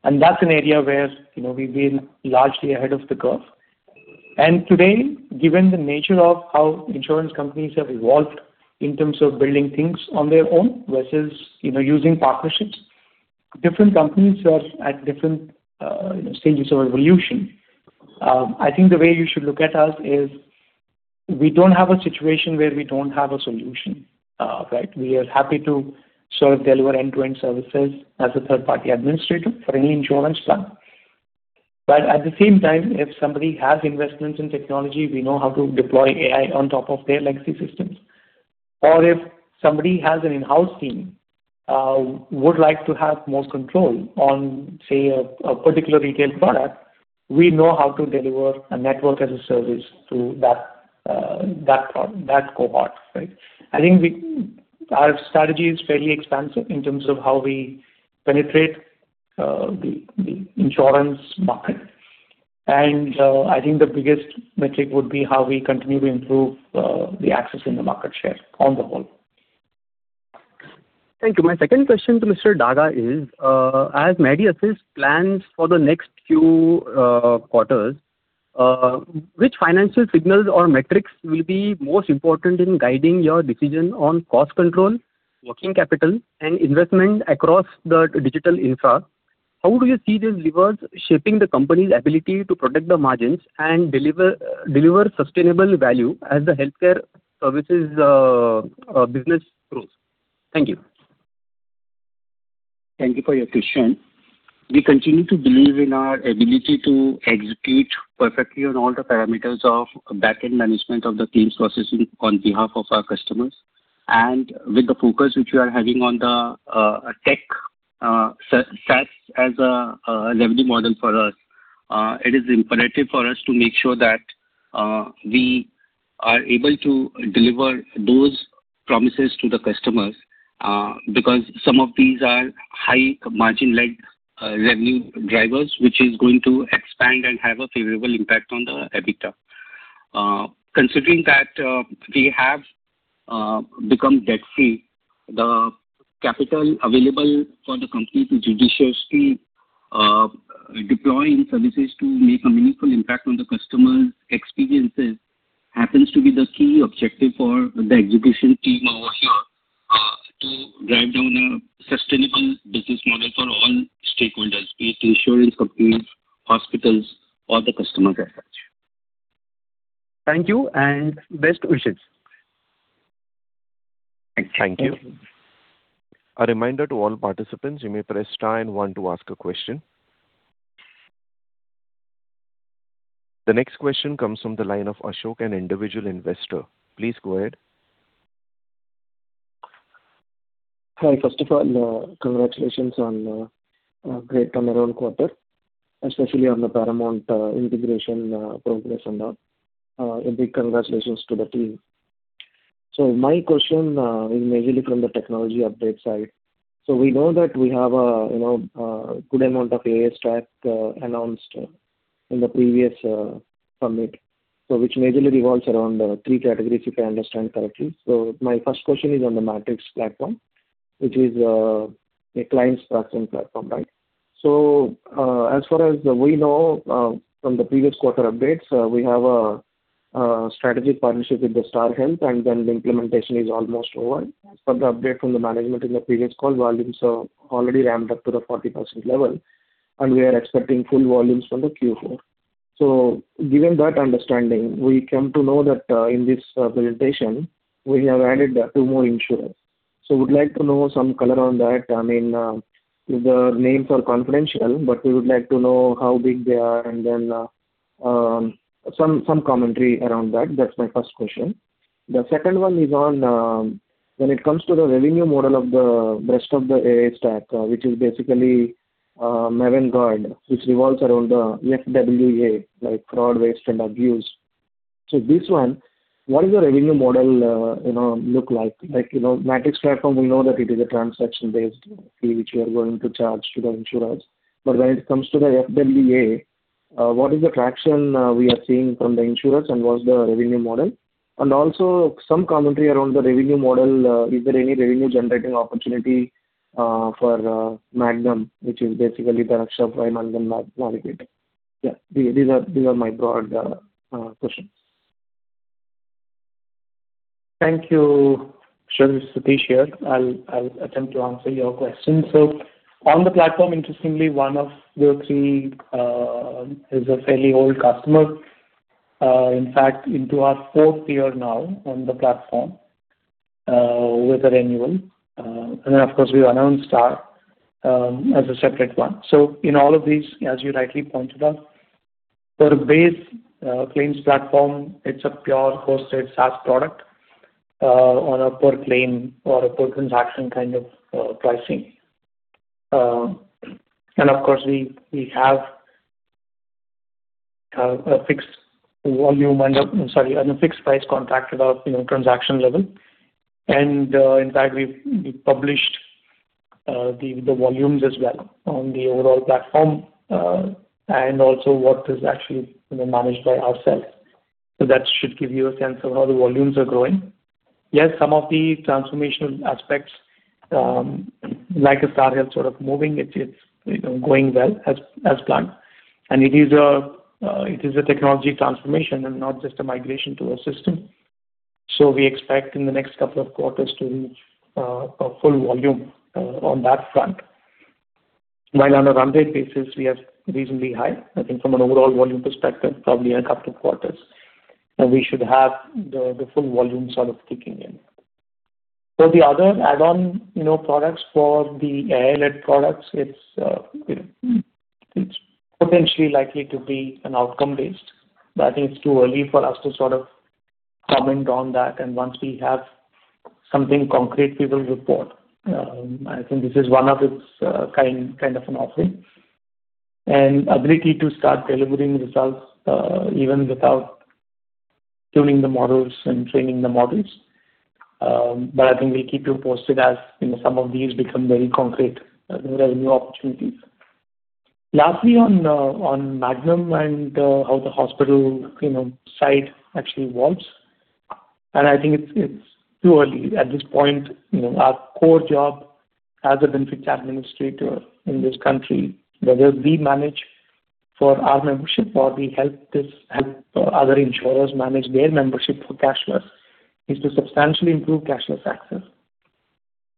And that's an area where, you know, we've been largely ahead of the curve. Today, given the nature of how insurance companies have evolved in terms of building things on their own versus, you know, using partnerships, different companies are at different, you know, stages of evolution. I think the way you should look at us is, we don't have a situation where we don't have a solution, right? We are happy to sort of deliver end-to-end services as a third-party administrator for any insurance plan. But at the same time, if somebody has investments in technology, we know how to deploy AI on top of their legacy systems. Or if somebody has an in-house team, would like to have more control on, say, a particular retail product, we know how to deliver a network as a service to that cohort, right? I think our strategy is fairly expansive in terms of how we penetrate the insurance market. I think the biggest metric would be how we continue to improve the access in the market share on the whole. Thank you. My second question to Mr. Daga is, as Medi Assist plans for the next few quarters, which financial signals or metrics will be most important in guiding your decision on cost control, working capital, and investment across the digital infra? How do you see these levers shaping the company's ability to protect the margins and deliver deliver sustainable value as the healthcare services business grows? Thank you. Thank you for your question. We continue to believe in our ability to execute perfectly on all the parameters of backend management of the claims processing on behalf of our customers. With the focus which we are having on the tech, SaaS as a revenue model for us, it is imperative for us to make sure that we are able to deliver those promises to the customers, because some of these are high margin-led- revenue drivers, which is going to expand and have a favorable impact on the EBITDA. Considering that, we have become debt-free, the capital available for the company to judiciously deploy in services to make a meaningful impact on the customer experiences, happens to be the key objective for the execution team over here, to drive down a sustainable business model for all stakeholders, be it insurance companies, hospitals, or the customers as such. Thank you, and best wishes. Thank you. Thank you. A reminder to all participants, you may press star and one to ask a question. The next question comes from the line of Ashok, an individual investor. Please go ahead. Hi. First of all, congratulations on a great turnaround quarter, especially on the Paramount integration progress and all. A big congratulations to the team. So my question is majorly from the technology update side. So we know that we have a, you know, good amount of AI stack announced in the previous summit. So which majorly revolves around three categories, if I understand correctly. So my first question is on the Matrix platform, which is a client structuring platform, right? So, as far as we know, from the previous quarter updates, we have a strategic partnership with the Star Health, and then the implementation is almost over. From the update from the management in the previous call, volumes are already ramped up to the 40% level, and we are expecting full volumes from the Q4. So given that understanding, we come to know that in this presentation, we have added two more insurers. So would like to know some color on that. I mean, the names are confidential, but we would like to know how big they are, and then some commentary around that. That's my first question. The second one is on when it comes to the revenue model of the rest of the AI stack, which is basically Maven Guard, which revolves around the FWA, like fraud, waste, and abuse. So this one, what is the revenue model, you know, look like? Like, you know, Matrix platform, we know that it is a transaction-based fee, which you are going to charge to the insurers. But when it comes to the FWA, what is the traction we are seeing from the insurers, and what's the revenue model? And also some commentary around the revenue model, is there any revenue generating opportunity for MAgnum, which is basically the Raksha by MAgnum Navigating? Yeah, these are, these are my broad questions. Thank you. Sure, Satish here. I'll attempt to answer your questions. So on the platform, interestingly, one of the three is a fairly old customer. In fact, into our fourth year now on the platform, with a renewal. And then, of course, we announced Star as a separate one. So in all of these, as you rightly pointed out, for a base claims platform, it's a pure hosted SaaS product on a per claim or a per transaction kind of pricing. And of course, we have a fixed volume and a fixed price contract about, you know, transaction level. And in fact, we've published the volumes as well on the overall platform, and also what is actually, you know, managed by ourselves. So that should give you a sense of how the volumes are growing. Yes, some of the transformational aspects, like Star Health, sort of, moving, it's, it's, you know, going well as, as planned. And it is a, it is a technology transformation and not just a migration to a system. So we expect in the next couple of quarters to reach, a full volume, on that front. While on a run rate basis, we are reasonably high. I think from an overall volume perspective, probably in a couple of quarters, and we should have the, the full volume sort of kicking in. So the other add-on, you know, products for the AI-led products, it's, you know, it's potentially likely to be an outcome-based, but I think it's too early for us to sort of comment on that, and once we have something concrete, we will report. I think this is one of its kind of an offering. And ability to start delivering results, even without tuning the models and training the models. But I think we keep you posted, as, you know, some of these become very concrete, the revenue opportunities. Lastly, on MAgnum and how the hospital, you know, side actually works. And I think it's too early at this point. You know, our core job as a benefits administrator in this country, whether we manage for our membership or we help this, help other insurers manage their membership for cashless, is to substantially improve cashless access.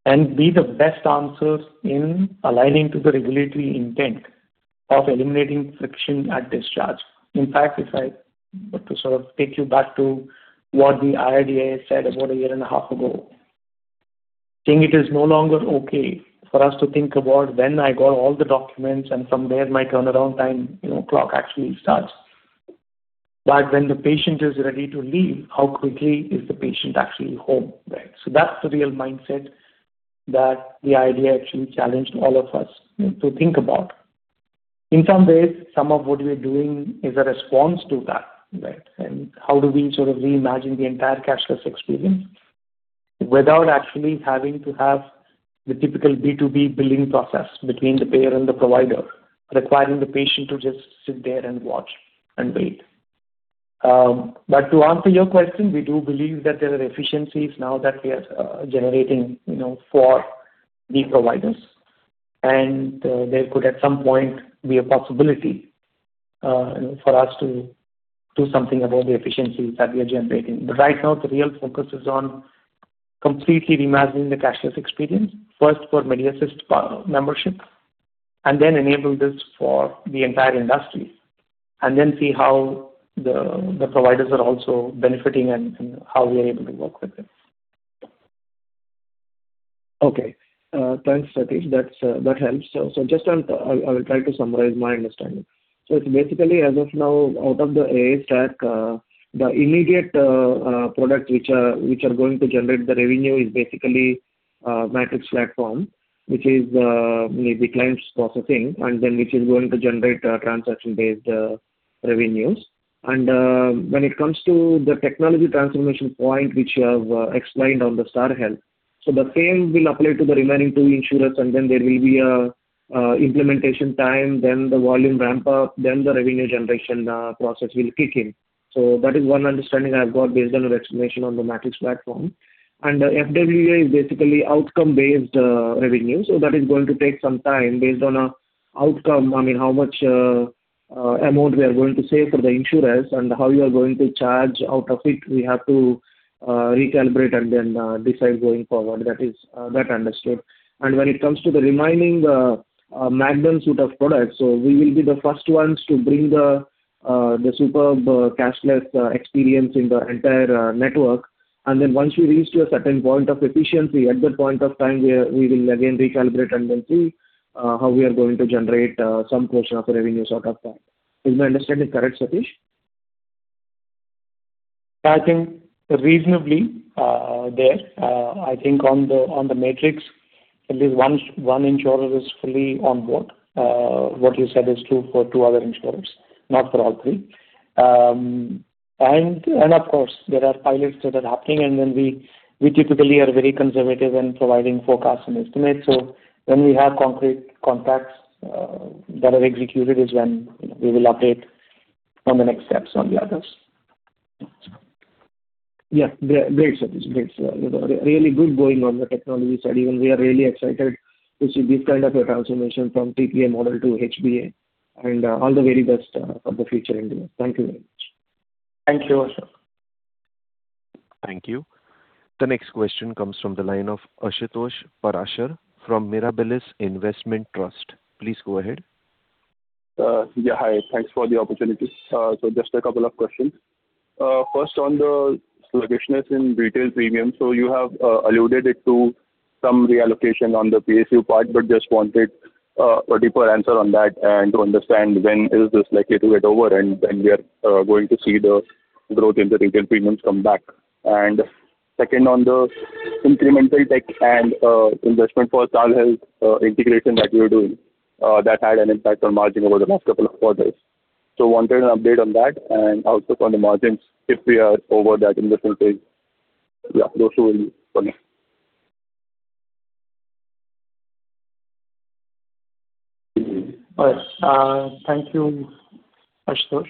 And be the best answers in aligning to the regulatory intent of eliminating friction at discharge. In fact, if I, to sort of take you back to what the IRDAI said about a year and a half ago, saying it is no longer okay for us to think about when I got all the documents, and from there, my turnaround time, you know, clock actually starts. But when the patient is ready to leave, how quickly is the patient actually home, right? So that's the real mindset that the IRDAI actually challenged all of us, you know, to think about. In some ways, some of what we're doing is a response to that, right? How do we sort of reimagine the entire cashless experience?... without actually having to have the typical B2B billing process between the payer and the provider, requiring the patient to just sit there and watch and wait. But to answer your question, we do believe that there are efficiencies now that we are generating, you know, for the providers. And there could at some point be a possibility for us to do something about the efficiencies that we are generating. But right now, the real focus is on completely reimagining the cashless experience, first for Medi Assist membership, and then enable this for the entire industry, and then see how the providers are also benefiting and how we are able to work with them. Okay. Thanks, Satish. That's that helps. So, so just on—I, I will try to summarize my understanding. So it's basically, as of now, out of the AA stack, the immediate product which are, which are going to generate the revenue is basically Matrix platform, which is maybe claims processing, and then which is going to generate transaction-based revenues. And when it comes to the technology transformation point, which you have explained on the Star Health, so the same will apply to the remaining two insurers, and then there will be a implementation time, then the volume ramp-up, then the revenue generation process will kick in. So that is one understanding I've got based on your explanation on the Matrix platform. FWA is basically outcome-based revenue, so that is going to take some time based on an outcome. I mean, how much amount we are going to save for the insurers and how you are going to charge out of it, we have to recalibrate and then decide going forward. That is that understood. When it comes to the remaining MAgnum suite of products, so we will be the first ones to bring the superb cashless experience in the entire network. And then once we reach to a certain point of efficiency, at that point of time, we will again recalibrate and then see how we are going to generate some portion of the revenue out of that. Is my understanding correct, Satish? I think reasonably there. I think on the Matrix, at least one insurer is fully on board. What you said is true for two other insurers, not for all three. And of course, there are pilots that are happening, and then we typically are very conservative in providing forecasts and estimates. So when we have concrete contracts that are executed, is when we will update on the next steps on the others. Yeah. Great, Satish. Great. So really good going on the technology side, and we are really excited to see this kind of a transformation from TPA model to HBA, and all the very best for the future in India. Thank you very much. Thank you also. Thank you. The next question comes from the line of Ashutosh Parashar from Mirabilis Investment Trust. Please go ahead. Yeah, hi. Thanks for the opportunity. So just a couple of questions. First, on the sluggishness in retail premiums. So you have alluded it to some reallocation on the PSU part, but just wanted a deeper answer on that and to understand when is this likely to get over and when we are going to see the growth in the retail premiums come back. And second, on the incremental tech and investment for Star Health integration that you're doing, that had an impact on margin over the last couple of quarters. So wanted an update on that and outlook on the margins if we are over that in the full page. Yeah, those two only for me. All right. Thank you, Ashutosh,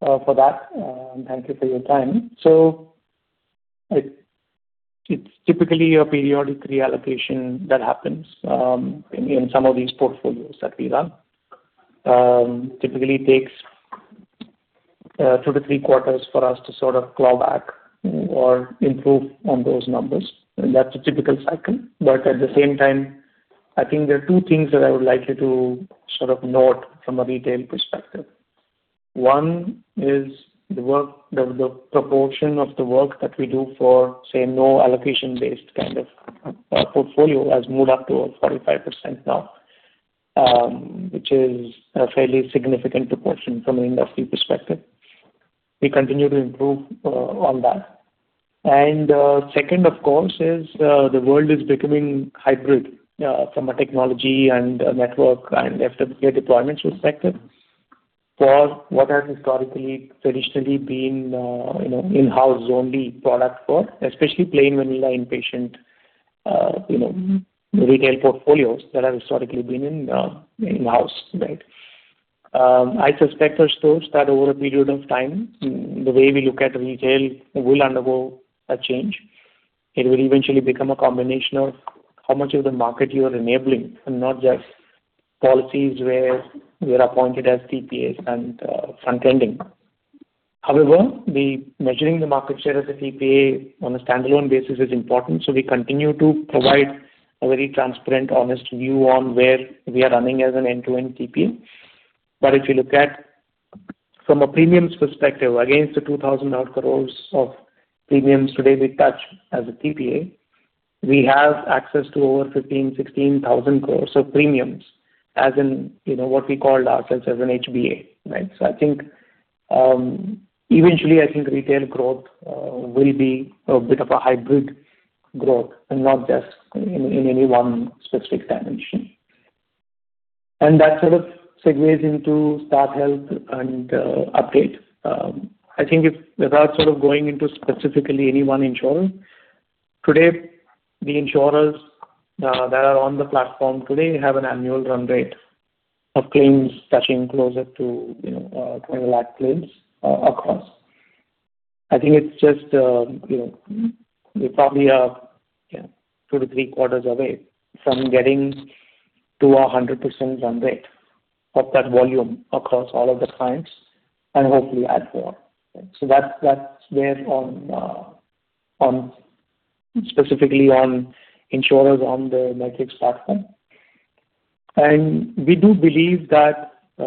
for that, and thank you for your time. So it's typically a periodic reallocation that happens in some of these portfolios that we run. Typically takes two to three quarters for us to sort of claw back or improve on those numbers, and that's a typical cycle. But at the same time, I think there are two things that I would like you to sort of note from a retail perspective. One is the proportion of the work that we do for, say, no allocation-based kind of portfolio has moved up to 45% now, which is a fairly significant proportion from an industry perspective. We continue to improve on that. Second, of course, is the world is becoming hybrid from a technology and a network and FWA deployment perspective, for what has historically, traditionally been, you know, in-house only product for especially plain vanilla inpatient, you know, retail portfolios that have historically been in, in-house, right? I suspect, Ashutosh, that over a period of time, the way we look at retail will undergo a change. It will eventually become a combination of how much of the market you are enabling and not just policies where we are appointed as TPAs and front-ending. However, the measuring the market share as a TPA on a standalone basis is important, so we continue to provide a very transparent, honest view on where we are running as an end-to-end TPA. But if you look at from a premiums perspective, against the 2,000 crore of premiums today we touch as a TPA, we have access to over 15,000 crore-16,000 crore of premiums, as in, you know, what we called ourselves as an HBA, right? So I think, eventually, I think retail growth will be a bit of a hybrid growth and not just in, in any one specific dimension. And that sort of segues into Star Health and update. I think it's, without sort of going into specifically any one insurer, today, the insurers that are on the platform today have an annual run rate of claims touching closer to, you know, 20 lakh claims across. I think it's just, you know, we probably are, yeah, two to three quarters away from getting to a 100% run rate of that volume across all of the clients, and hopefully add more. So that's, that's where on, specifically on insurers on the Matrix platform. And we do believe that, you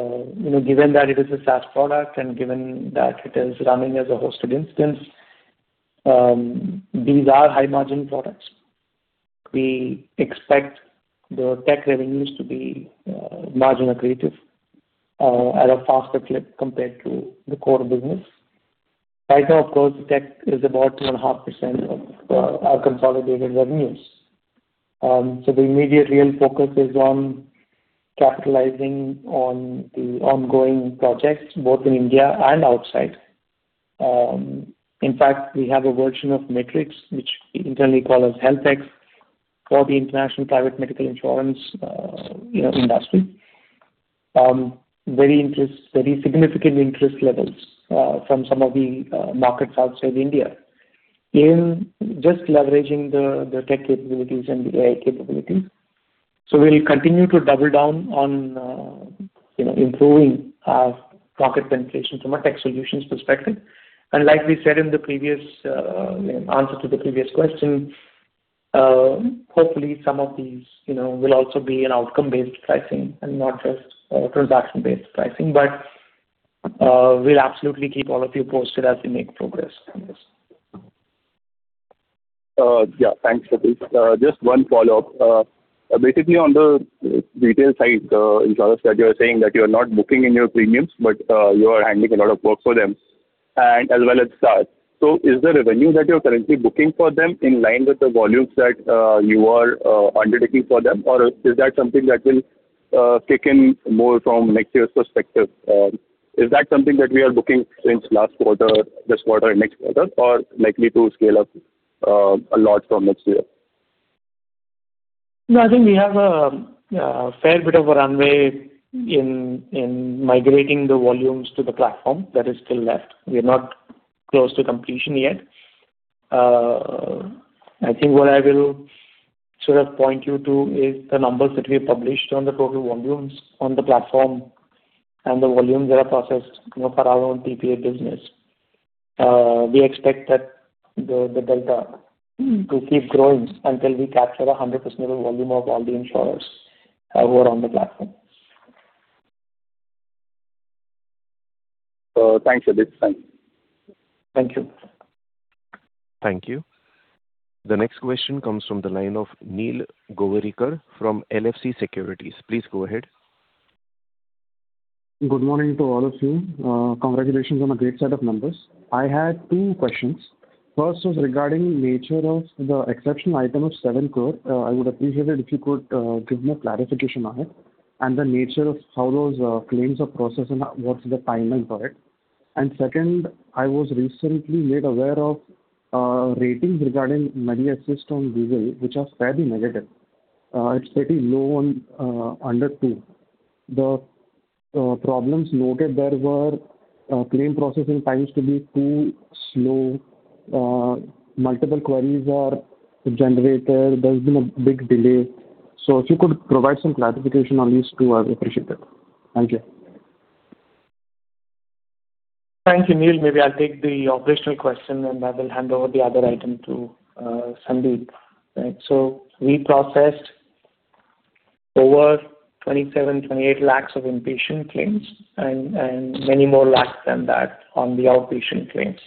know, given that it is a SaaS product and given that it is running as a hosted instance, these are high-margin products. We expect the tech revenues to be, margin accretive, at a faster clip compared to the core business. Right now, of course, tech is about 2.5% of, our consolidated revenues. So the immediate real focus is on capitalizing on the ongoing projects, both in India and outside. In fact, we have a version of Matrix, which we internally call as Healthtech, for the international private medical insurance, you know, industry. Very significant interest levels, from some of the markets outside India, in just leveraging the tech capabilities and the AI capabilities. So we'll continue to double down on, you know, improving our product penetration from a tech solutions perspective. And like we said in the previous, answer to the previous question, hopefully, some of these, you know, will also be an outcome-based pricing and not just transaction-based pricing. But, we'll absolutely keep all of you posted as we make progress on this. Yeah, thanks, Satish. Just one follow-up. Basically, on the retail side, insurers that you are saying that you are not booking in your premiums, but, you are handling a lot of work for them and as well as Star Health. So is the revenue that you're currently booking for them in line with the volumes that, you are, undertaking for them? Or is that something that will, kick in more from next year's perspective? Is that something that we are booking since last quarter, this quarter, and next quarter, or likely to scale up, a lot from next year? No, I think we have a fair bit of a runway in migrating the volumes to the platform that is still left. We are not close to completion yet. I think what I will sort of point you to is the numbers that we published on the total volumes on the platform and the volumes that are processed, you know, for our own TPA business. We expect that the delta to keep growing until we capture 100% of the volume of all the insurers, who are on the platform. Thanks, Satish. Bye. Thank you. Thank you. The next question comes from the line of Neil Govarikar from L.F.C. Securities. Please go ahead. Good morning to all of you. Congratulations on a great set of numbers. I had two questions. First was regarding nature of the exception item of 7 crore. I would appreciate it if you could give me a clarification on it, and the nature of how those claims are processed and what's the timeline for it. And second, I was recently made aware of ratings regarding Medi Assist on Google, which are fairly negative. It's pretty low on under two. The problems noted there were claim processing times to be too slow, multiple queries are generated, there's been a big delay. So if you could provide some clarification on these two, I would appreciate that. Thank you. Thank you, Neil. Maybe I'll take the operational question, and I will hand over the other item to Sandeep. Right. So we processed over 27 lakhs-28 lakhs of inpatient claims and many more lakhs than that on the outpatient claims.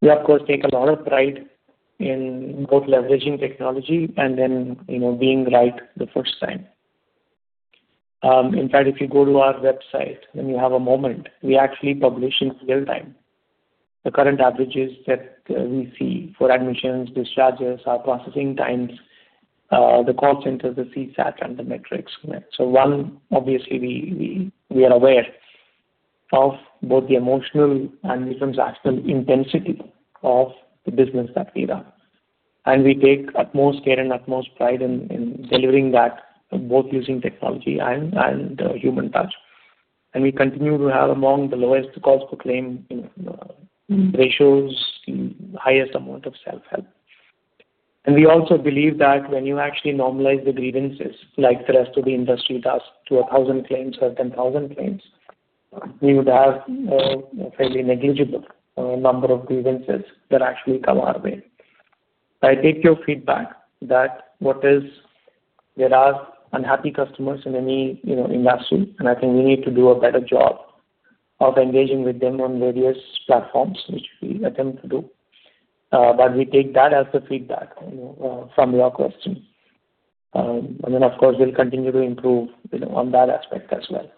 We, of course, take a lot of pride in both leveraging technology and then, you know, being right the first time. In fact, if you go to our website, when you have a moment, we actually publish in real time the current averages that we see for admissions, discharges, our processing times, the call centers, the CSAT, and the metrics. So one, obviously, we are aware of both the emotional and transactional intensity of the business that we run. And we take utmost care and utmost pride in delivering that, both using technology and human touch. We continue to have among the lowest cost per claim, you know, ratios and highest amount of self-help. We also believe that when you actually normalize the grievances, like the rest of the industry does, to 1,000 claims or 10,000 claims, we would have a fairly negligible number of grievances that actually come our way. I take your feedback that what is there are unhappy customers in any, you know, industry, and I think we need to do a better job of engaging with them on various platforms, which we attempt to do. But we take that as a feedback from your question. And then, of course, we'll continue to improve, you know, on that aspect as well.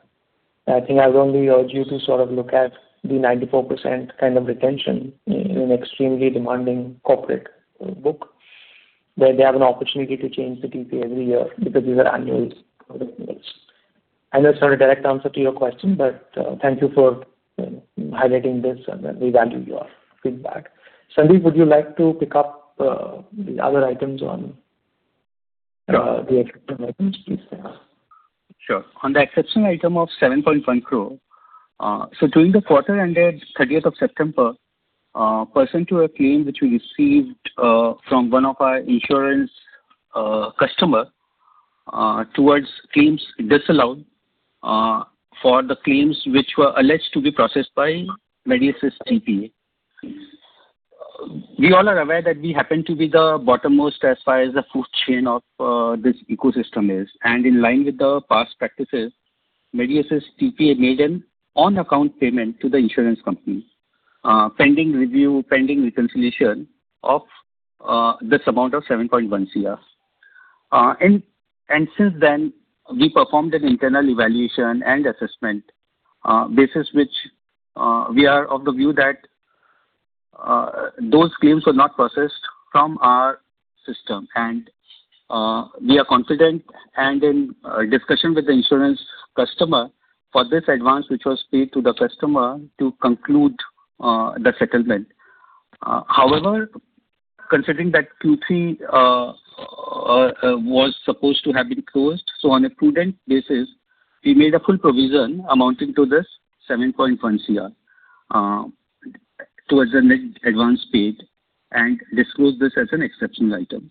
I think I would only urge you to sort of look at the 94% kind of retention in an extremely demanding corporate book, where they have an opportunity to change the TPA every year because these are annual agreements. I know it's not a direct answer to your question, but thank you for highlighting this, and we value your feedback. Sandeep, would you like to pick up the other items on the exceptional items, please? Sure. On the exceptional item of 7.1 crore, so during the quarter ended 30th of September, pursuant to a claim which we received from one of our insurance customer towards claims disallowed for the claims which were alleged to be processed by Medi Assist TPA. We all are aware that we happen to be the bottom-most as far as the food chain of this ecosystem is. And in line with the past practices, Medi Assist TPA made an on-account payment to the insurance company pending review, pending reconciliation of this amount of 7.1 crore. And since then, we performed an internal evaluation and assessment basis which we are of the view that those claims were not processed from our system. We are confident and in discussion with the insurance customer for this advance, which was paid to the customer to conclude the settlement. However, considering that Q3 was supposed to have been closed, so on a prudent basis, we made a full provision amounting to 7.1 crore towards the net advance paid and disclosed this as an exceptional item.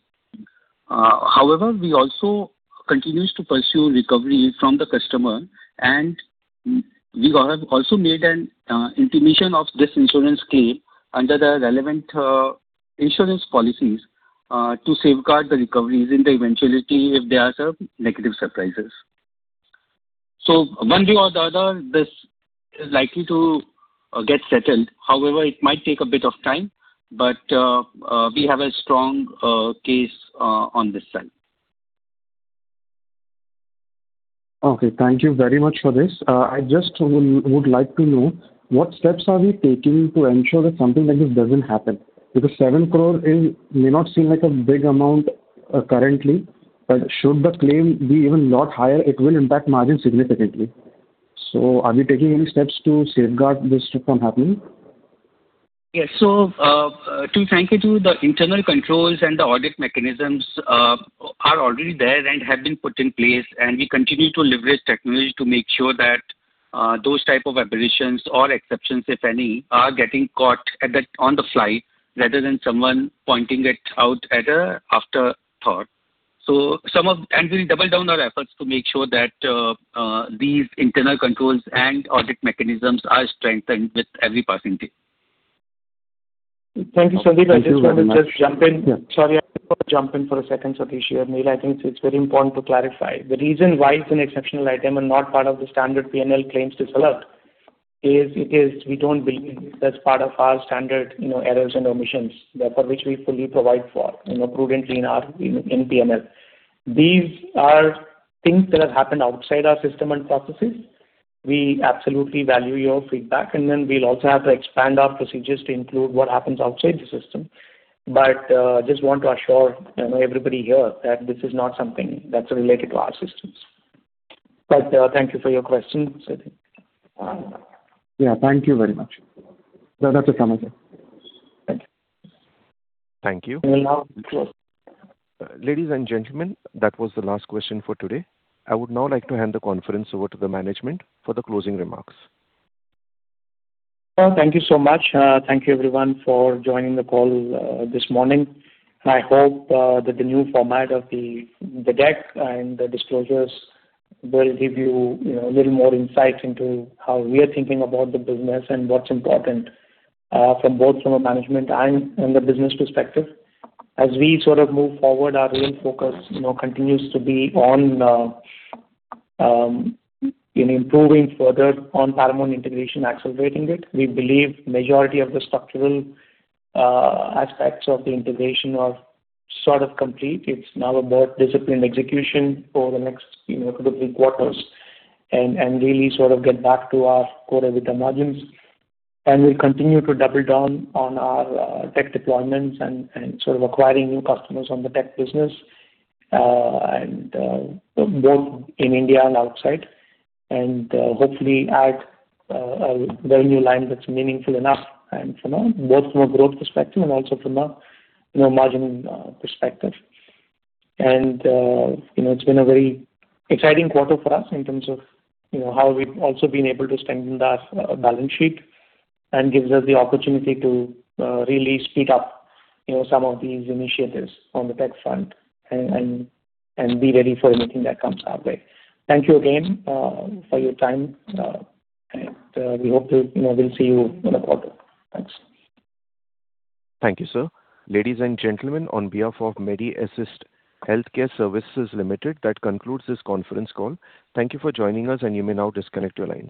However, we also continues to pursue recovery from the customer, and we have also made an intimation of this insurance claim under the relevant insurance policies to safeguard the recoveries in the eventuality if there are some negative surprises. So one way or the other, this is likely to get settled. However, it might take a bit of time, but we have a strong case on this side. Okay, thank you very much for this. I just would like to know, what steps are we taking to ensure that something like this doesn't happen? Because seven crore is may not seem like a big amount, currently, but should the claim be even a lot higher, it will impact margin significantly. So are we taking any steps to safeguard this from happening? Yes. So, frankly, the internal controls and the audit mechanisms are already there and have been put in place, and we continue to leverage technology to make sure that those type of aberrations or exceptions, if any, are getting caught on the fly, rather than someone pointing it out as an afterthought. And we'll double down our efforts to make sure that these internal controls and audit mechanisms are strengthened with every passing day. Thank you, Sandeep. Thank you very much. I just wanted to just jump in. Yeah. Sorry, I just want to jump in for a second, Satish, here. I mean, I think it's very important to clarify. The reason why it's an exceptional item and not part of the standard P&L claims disallowed is, it is we don't believe that's part of our standard, you know, errors and omissions, for which we fully provide for, you know, prudently in our P&L. These are things that have happened outside our system and processes. We absolutely value your feedback, and then we'll also have to expand our procedures to include what happens outside the system. But, just want to assure, you know, everybody here that this is not something that's related to our systems. But, thank you for your question, Satish. Yeah, thank you very much. No further comments here. Thank you. Thank you. And now- Ladies and gentlemen, that was the last question for today. I would now like to hand the conference over to the management for the closing remarks. Well, thank you so much. Thank you everyone for joining the call this morning. I hope that the new format of the deck and the disclosures will give you, you know, a little more insight into how we are thinking about the business and what's important from both from a management and the business perspective. As we sort of move forward, our real focus, you know, continues to be on in improving further on Paramount integration, accelerating it. We believe majority of the structural aspects of the integration are sort of complete. It's now about disciplined execution over the next, you know, couple of quarters and really sort of get back to our quarter with the margins. And we'll continue to double down on our tech deployments and sort of acquiring new customers on the tech business, and both in India and outside. And hopefully add a value line that's meaningful enough and for now, both from a growth perspective and also from a you know margin perspective. And you know, it's been a very exciting quarter for us in terms of you know, how we've also been able to strengthen our balance sheet, and gives us the opportunity to really speed up you know, some of these initiatives on the tech front and be ready for anything that comes our way. Thank you again for your time, and we hope to you know, we'll see you in a quarter. Thanks. Thank you, sir. Ladies and gentlemen, on behalf of Medi Assist Healthcare Services Limited, that concludes this conference call. Thank you for joining us, and you may now disconnect your lines.